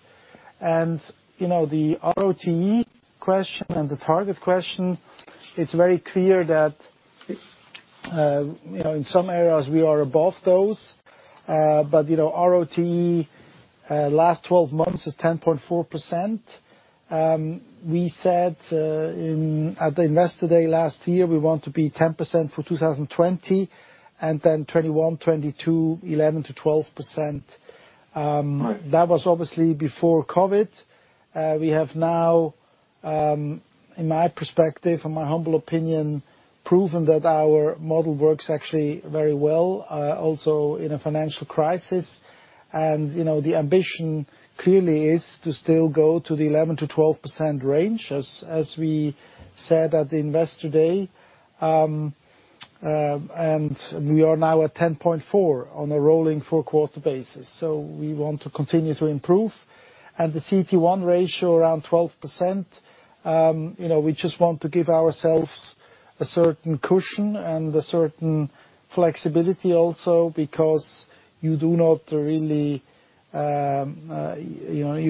C: The ROTE question and the target question, it's very clear that in some areas we are above those. ROTE last 12 months is 10.4%. We said at the Investor Day last year, we want to be 10% for 2020, and then 2021, 2022, 11%-12%. That was obviously before COVID. We have now, in my perspective, in my humble opinion, proven that our model works actually very well, also in a financial crisis. The ambition clearly is to still go to the 11%-12% range, as we said at the Investor Day. We are now at 10.4% on a rolling four-quarter basis. We want to continue to improve. The CET1 ratio around 12%, we just want to give ourselves a certain cushion and a certain flexibility also because you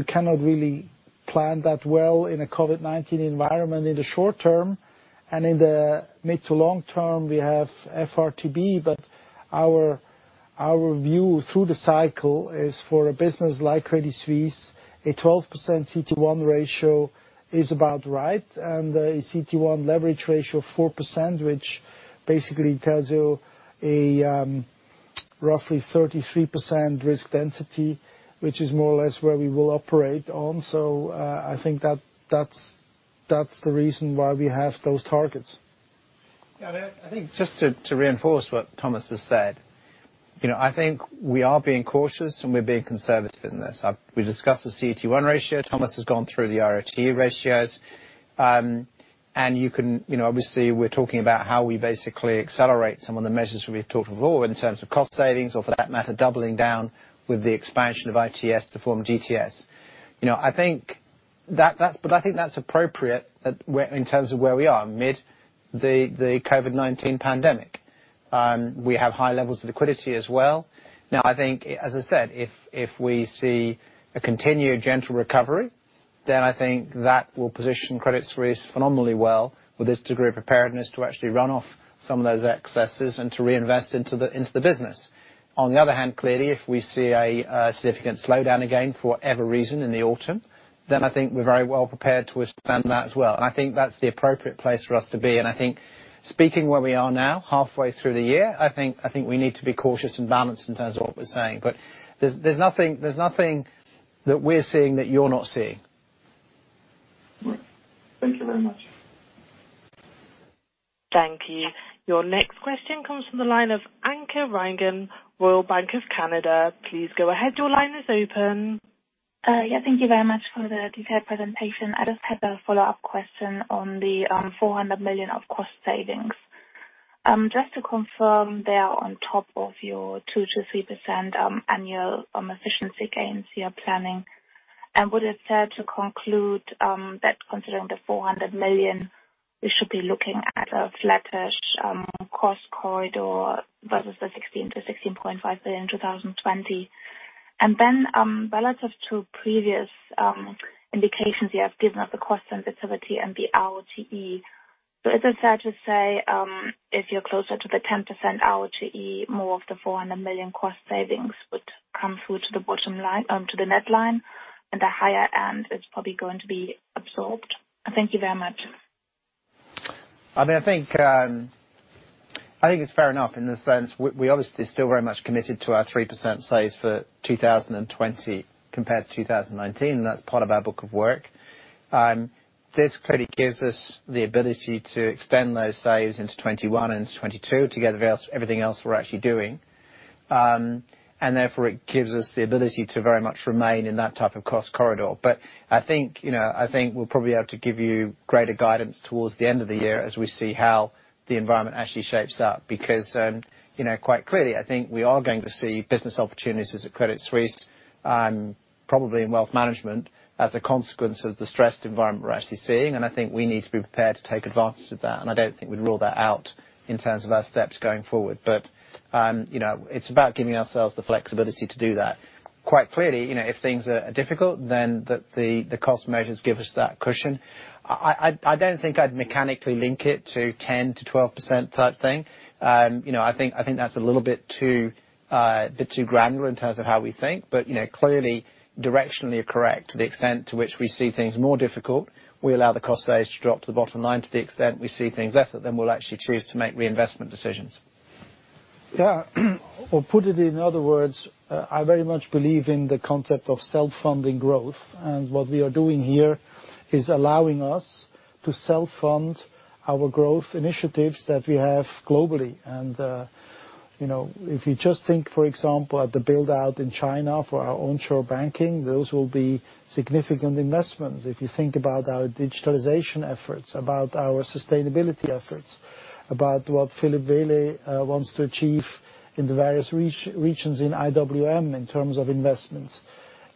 C: cannot really plan that well in a COVID-19 environment in the short term. In the mid to long term, we have FRTB. Our view through the cycle is for a business like Credit Suisse, a 12% CET1 ratio is about right. A CET1 leverage ratio of 4%, which basically tells you a roughly 33% risk density, which is more or less where we will operate on. I think that's the reason why we have those targets.
D: Yeah. I think just to reinforce what Thomas has said, I think we are being cautious and we're being conservative in this. We discussed the CET1 ratio. Thomas has gone through the ROTE ratios. Obviously, we're talking about how we basically accelerate some of the measures we've talked of in terms of cost savings, or for that matter, doubling down with the expansion of ITS to form GTS. I think that's appropriate in terms of where we are, mid the COVID-19 pandemic. We have high levels of liquidity as well. I think, as I said, if we see a continued gentle recovery, then I think that will position Credit Suisse phenomenally well with this degree of preparedness to actually run off some of those excesses and to reinvest into the business. On the other hand, clearly, if we see a significant slowdown again for whatever reason in the autumn, then I think we're very well prepared to withstand that as well. I think that's the appropriate place for us to be, and I think speaking where we are now, halfway through the year, I think we need to be cautious and balanced in terms of what we're saying. There's nothing that we're seeing that you're not seeing.
N: Right. Thank you very much.
A: Thank you. Your next question comes from the line of Anke Reingen, Royal Bank of Canada. Please go ahead. Your line is open.
O: Thank you very much for the detailed presentation. I just had a follow-up question on the 400 million of cost savings. Just to confirm, they are on top of your 2%-3% annual efficiency gains you are planning. Would it be fair to conclude that considering the 400 million, we should be looking at a flattish cost corridor versus the 16 billion-16.5 billion in 2020? Relative to previous indications you have given of the cost sensitivity and the ROTE, is it fair to say if you're closer to the 10% ROTE, more of the 400 million cost savings would come through to the bottom line, to the net line, and the higher end is probably going to be absorbed? Thank you very much.
D: I think it's fair enough in the sense we're obviously still very much committed to our 3% saves for 2020 compared to 2019, and that's part of our book of work. This clearly gives us the ability to extend those saves into 2021 and 2022 together with everything else we're actually doing. Therefore, it gives us the ability to very much remain in that type of cost corridor. I think we'll probably be able to give you greater guidance towards the end of the year as we see how the environment actually shapes up. Quite clearly, I think we are going to see business opportunities at Credit Suisse, probably in wealth management as a consequence of the stressed environment we're actually seeing, and I think we need to be prepared to take advantage of that, and I don't think we'd rule that out in terms of our steps going forward. It's about giving ourselves the flexibility to do that. Quite clearly, if things are difficult, then the cost measures give us that cushion. I don't think I'd mechanically link it to 10%-12% type thing. I think that's a little bit too granular in terms of how we think. Clearly, directionally correct to the extent to which we see things more difficult, we allow the cost saves to drop to the bottom line. To the extent we see things lesser, then we'll actually choose to make reinvestment decisions.
C: Put it in other words, I very much believe in the concept of self-funding growth. What we are doing here is allowing us to self-fund our growth initiatives that we have globally. If you just think, for example, at the build-out in China for our onshore banking, those will be significant investments. If you think about our digitalization efforts, about our sustainability efforts, about what Philipp Wehle wants to achieve in the various regions in IWM in terms of investments,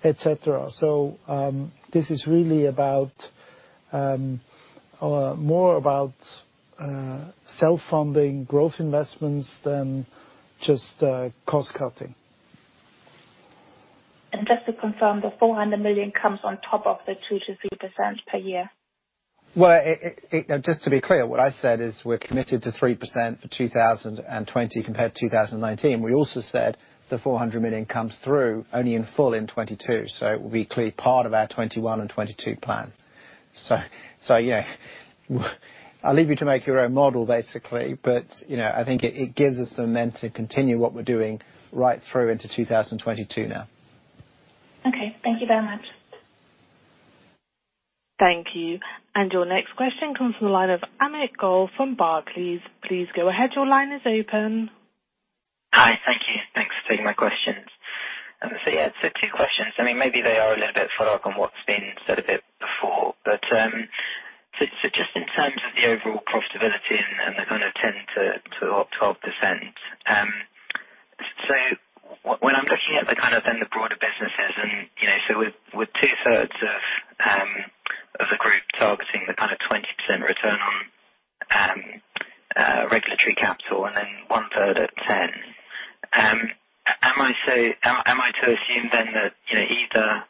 C: et cetera. This is really more about self-funding growth investments than just cost-cutting.
O: Just to confirm, the 400 million comes on top of the 2%-3% per year?
D: Well, just to be clear, what I said is we're committed to 3% for 2020 compared to 2019. We also said the 400 million comes through only in full in 2022, it will be clearly part of our 2021 and 2022 plan. I'll leave you to make your own model, basically. I think it gives us the momentum to continue what we're doing right through into 2022 now.
O: Okay, thank you very much.
A: Thank you. Your next question comes from the line of Amit Goel from Barclays. Please go ahead. Your line is open.
P: Hi. Thank you. Thanks for taking my questions. Yeah. Two questions. Maybe they are a little bit follow-up on what's been said a bit before. Just in terms of the overall profitability and the kind of 10%-12%, when I'm looking at the kind of then the broader businesses, with two-thirds of the group targeting the kind of 20% return on regulatory capital and then one-third at 10%, am I to assume that either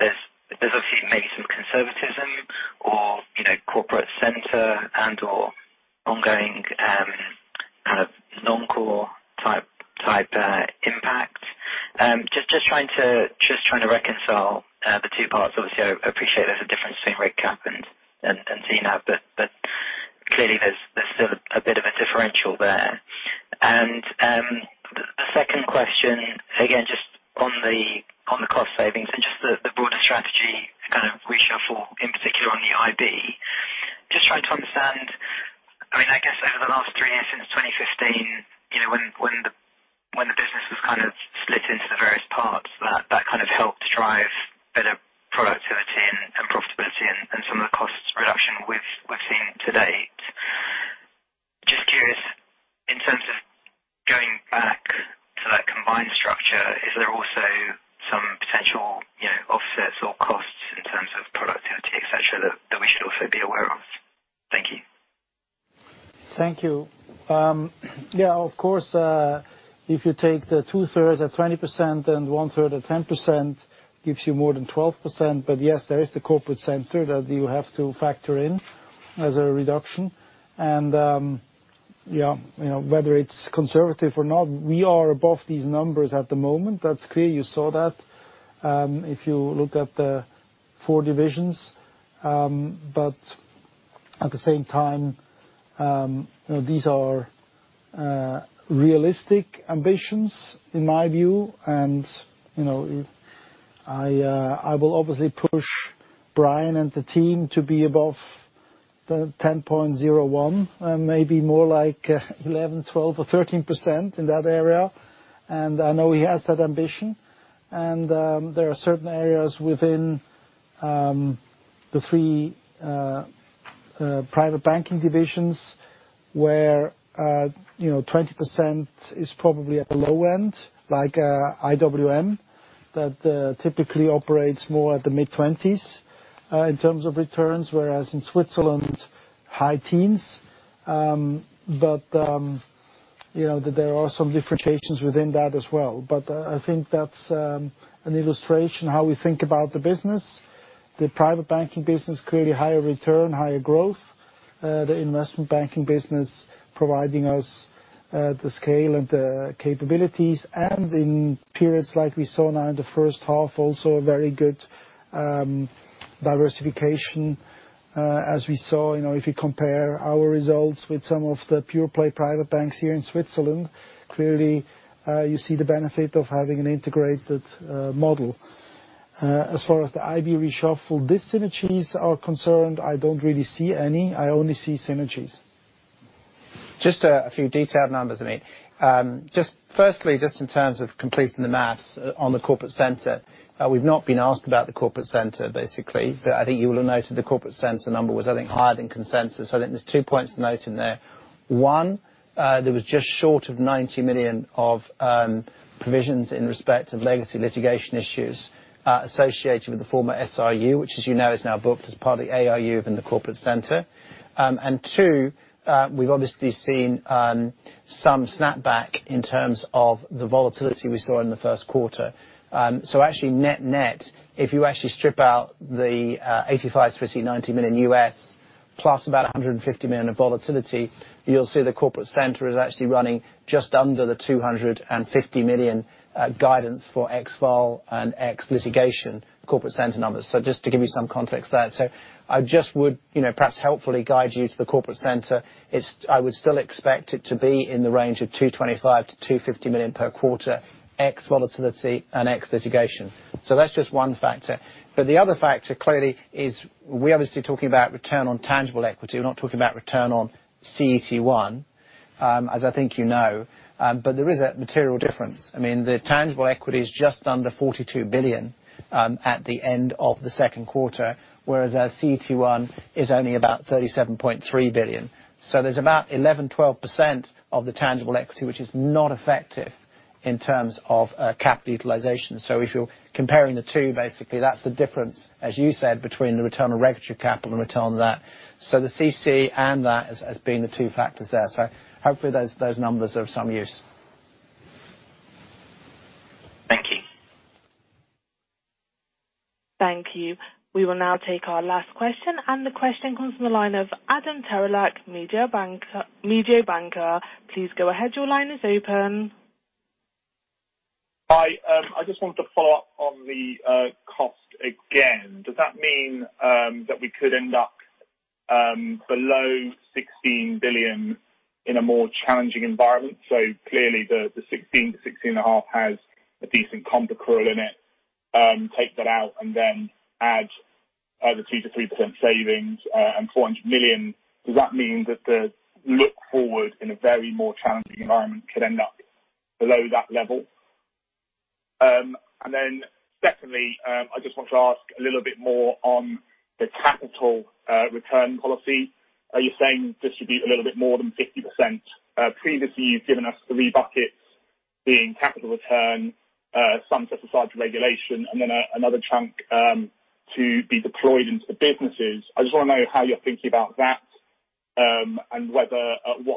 P: there's obviously maybe some conservatism or Corporate Center and/or ongoing kind of non-core type impact? Just trying to reconcile the two parts. Obviously, I appreciate there's a difference between reg cap and TNAV, clearly there's still a bit of a differential there. The second question, again, just on the cost savings and just the broader strategy kind of reshuffle, in particular on the IB, just trying to understand, I guess over the last three years since 2015, When the business was kind of split into the various parts, that kind of helped drive better productivity and profitability and some of the costs reduction we've seen to date. Just curious, in terms of going back to that combined structure, is there also some potential offsets or costs in terms of productivity, et cetera, that we should also be aware of? Thank you.
C: Thank you. Yeah, of course, if you take the two-thirds at 20% and one-third at 10%, gives you more than 12%. Yes, there is the Corporate Center that you have to factor in as a reduction. Whether it's conservative or not, we are above these numbers at the moment. That's clear. You saw that. If you look at the four divisions. At the same time, these are realistic ambitions in my view. I will obviously push Brian and the team to be above the 10.01, maybe more like 11, 12 or 13% in that area. I know he has that ambition. There are certain areas within the three private banking divisions where 20% is probably at the low end, like IWM, that typically operates more at the mid-20s, in terms of returns, whereas in Switzerland, high teens. There are some differentiations within that as well. I think that's an illustration how we think about the business. The private banking business, clearly higher return, higher growth. The investment banking business providing us the scale and the capabilities. In periods like we saw now in the first half, also a very good diversification. As we saw, if you compare our results with some of the pure play private banks here in Switzerland. Clearly, you see the benefit of having an integrated model. As far as the IB reshuffle, these synergies are concerned, I don't really see any. I only see synergies.
D: Just a few detailed numbers, Amit. Firstly, just in terms of completing the maths on the Corporate Center, we've not been asked about the Corporate Center. I think you will have noted the Corporate Center number was I think higher than consensus. I think there's two points to note in there. One, there was just short of 90 million of provisions in respect of legacy litigation issues associated with the former SRU. Which as you know, is now booked as part of the ARU within the Corporate Center. Two, we've obviously seen some snapback in terms of the volatility we saw in the first quarter. Actually net-net, if you actually strip out the $85 million-$90 million, plus about $150 million of volatility, you will see the Corporate Center is actually running just under the $250 million guidance for x vol and x litigation Corporate Center numbers. Just to give you some context there. I just would perhaps helpfully guide you to the Corporate Center. I would still expect it to be in the range of $225 million-$250 million per quarter, x volatility and x litigation. That's just one factor. The other factor clearly is we are obviously talking about return on tangible equity. We are not talking about return on CET1, as I think you know. There is a material difference. The tangible equity is just under $42 billion, at the end of the second quarter, whereas our CET1 is only about $37.3 billion. There's about 11%-12% of the tangible equity, which is not effective in terms of cap utilization. If you're comparing the two, basically, that's the difference, as you said, between the return on regulatory capital and return on that. The CC and that as being the two factors there. Hopefully those numbers are of some use.
A: Thank you. We will now take our last question. The question comes from the line of Adam Terelak, Mediobanca. Please go ahead. Your line is open.
Q: Hi. I just wanted to follow up on the cost again. Does that mean that we could end up below 16 billion in a more challenging environment? Clearly the 16 billion-16.5 billion has a decent comp accrual in it. Take that out and add either 2%-3% savings and 400 million. Does that mean that the look forward in a very more challenging environment could end up below that level? Secondly, I just wanted to ask a little bit more on the capital return policy. Are you saying distribute a little bit more than 50%? Previously you've given us three buckets, being capital return, some set aside for regulation, and then another chunk to be deployed into the businesses. I just want to know how you're thinking about that, and what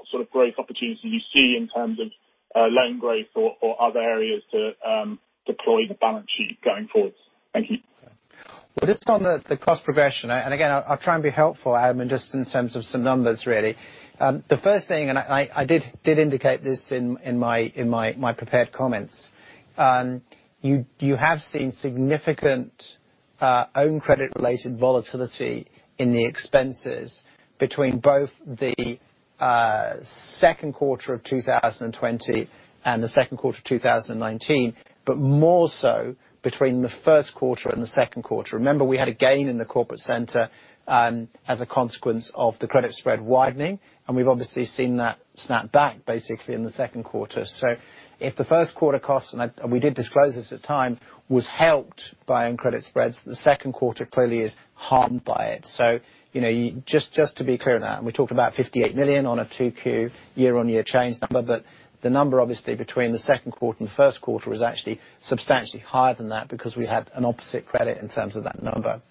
Q: sort of growth opportunities you see in terms of loan growth or other areas to deploy the balance sheet going forwards. Thank you.
D: Just on the cost progression, I'll try and be helpful, Adam, just in terms of some numbers really. The first thing, I did indicate this in my prepared comments. You have seen significant own credit related volatility in the expenses between both the second quarter of 2020 and the second quarter of 2019, more so between the first quarter and the second quarter. Remember, we had a gain in the Corporate Center as a consequence of the credit spread widening, we've obviously seen that snap back basically in the second quarter. If the first quarter cost, we did disclose this at the time, was helped by own credit spreads, the second quarter clearly is harmed by it. Just to be clear on that, we talked about 58 million on a 2Q year-on-year change number. The number obviously between the second quarter and first quarter was actually substantially higher than that because we had an opposite credit in terms of that number.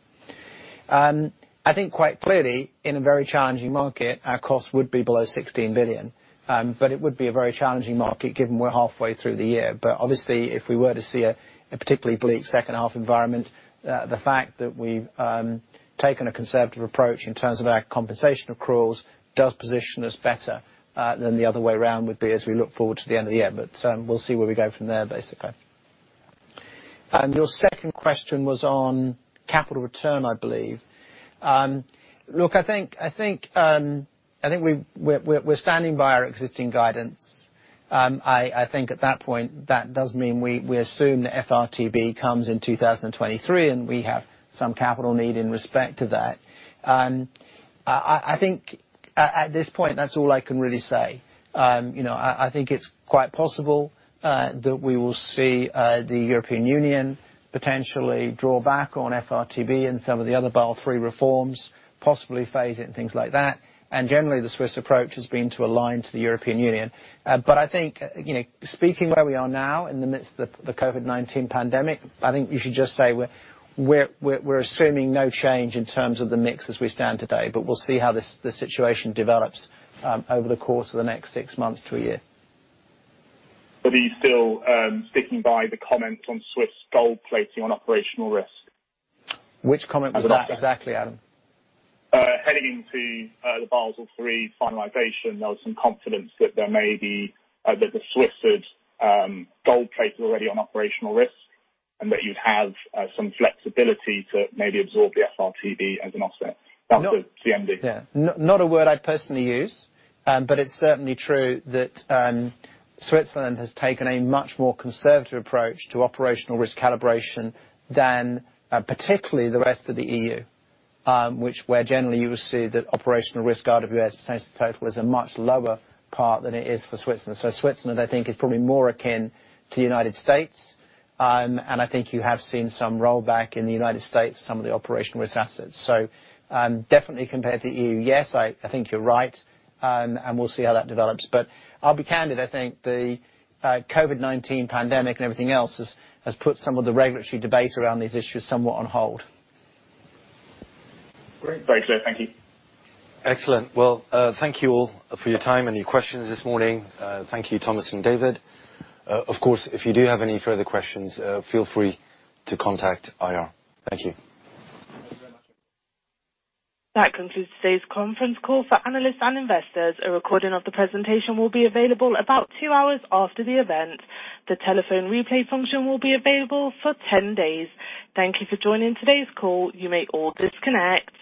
D: I think quite clearly in a very challenging market, our cost would be below 16 billion. It would be a very challenging market given we're halfway through the year. Obviously if we were to see a particularly bleak second half environment, the fact that we've taken a conservative approach in terms of our compensation accruals does position us better than the other way around would be as we look forward to the end of the year. We'll see where we go from there basically. Your second question was on capital return, I believe. Look, I think we're standing by our existing guidance. I think at that point, that does mean we assume that FRTB comes in 2023, and we have some capital need in respect to that. I think at this point that's all I can really say. I think it's quite possible that we will see the European Union potentially draw back on FRTB and some of the other Basel III reforms, possibly phase it and things like that. Generally the Swiss approach has been to align to the European Union. I think speaking where we are now in the midst of the COVID-19 pandemic, I think you should just say we're assuming no change in terms of the mix as we stand today. We'll see how the situation develops over the course of the next six months to a year.
Q: Are you still sticking by the comment on Swiss gold plating on operational risk?
D: Which comment was that exactly, Adam?
Q: Heading into the Basel III finalization, there was some confidence that the Swiss had gold plated already on operational risk, and that you'd have some flexibility to maybe absorb the FRTB as an offset. That's the CMD.
D: Yeah. Not a word I'd personally use. It's certainly true that Switzerland has taken a much more conservative approach to operational risk calibration than particularly the rest of the EU. Where generally you would see that operational risk, RWA percentage of total is a much lower part than it is for Switzerland. Switzerland I think is probably more akin to the U.S. I think you have seen some rollback in the U.S., some of the operational risk assets. Definitely compared to EU, yes, I think you're right. We'll see how that develops. I'll be candid, I think the COVID-19 pandemic and everything else has put some of the regulatory debate around these issues somewhat on hold.
Q: Great. Very clear. Thank you.
B: Excellent. Well, thank you all for your time and your questions this morning. Thank you, Thomas and David. Of course, if you do have any further questions, feel free to contact IR. Thank you.
A: That concludes today's conference call for analysts and investors. A recording of the presentation will be available about two hours after the event. The telephone replay function will be available for 10 days. Thank you for joining today's call. You may all disconnect.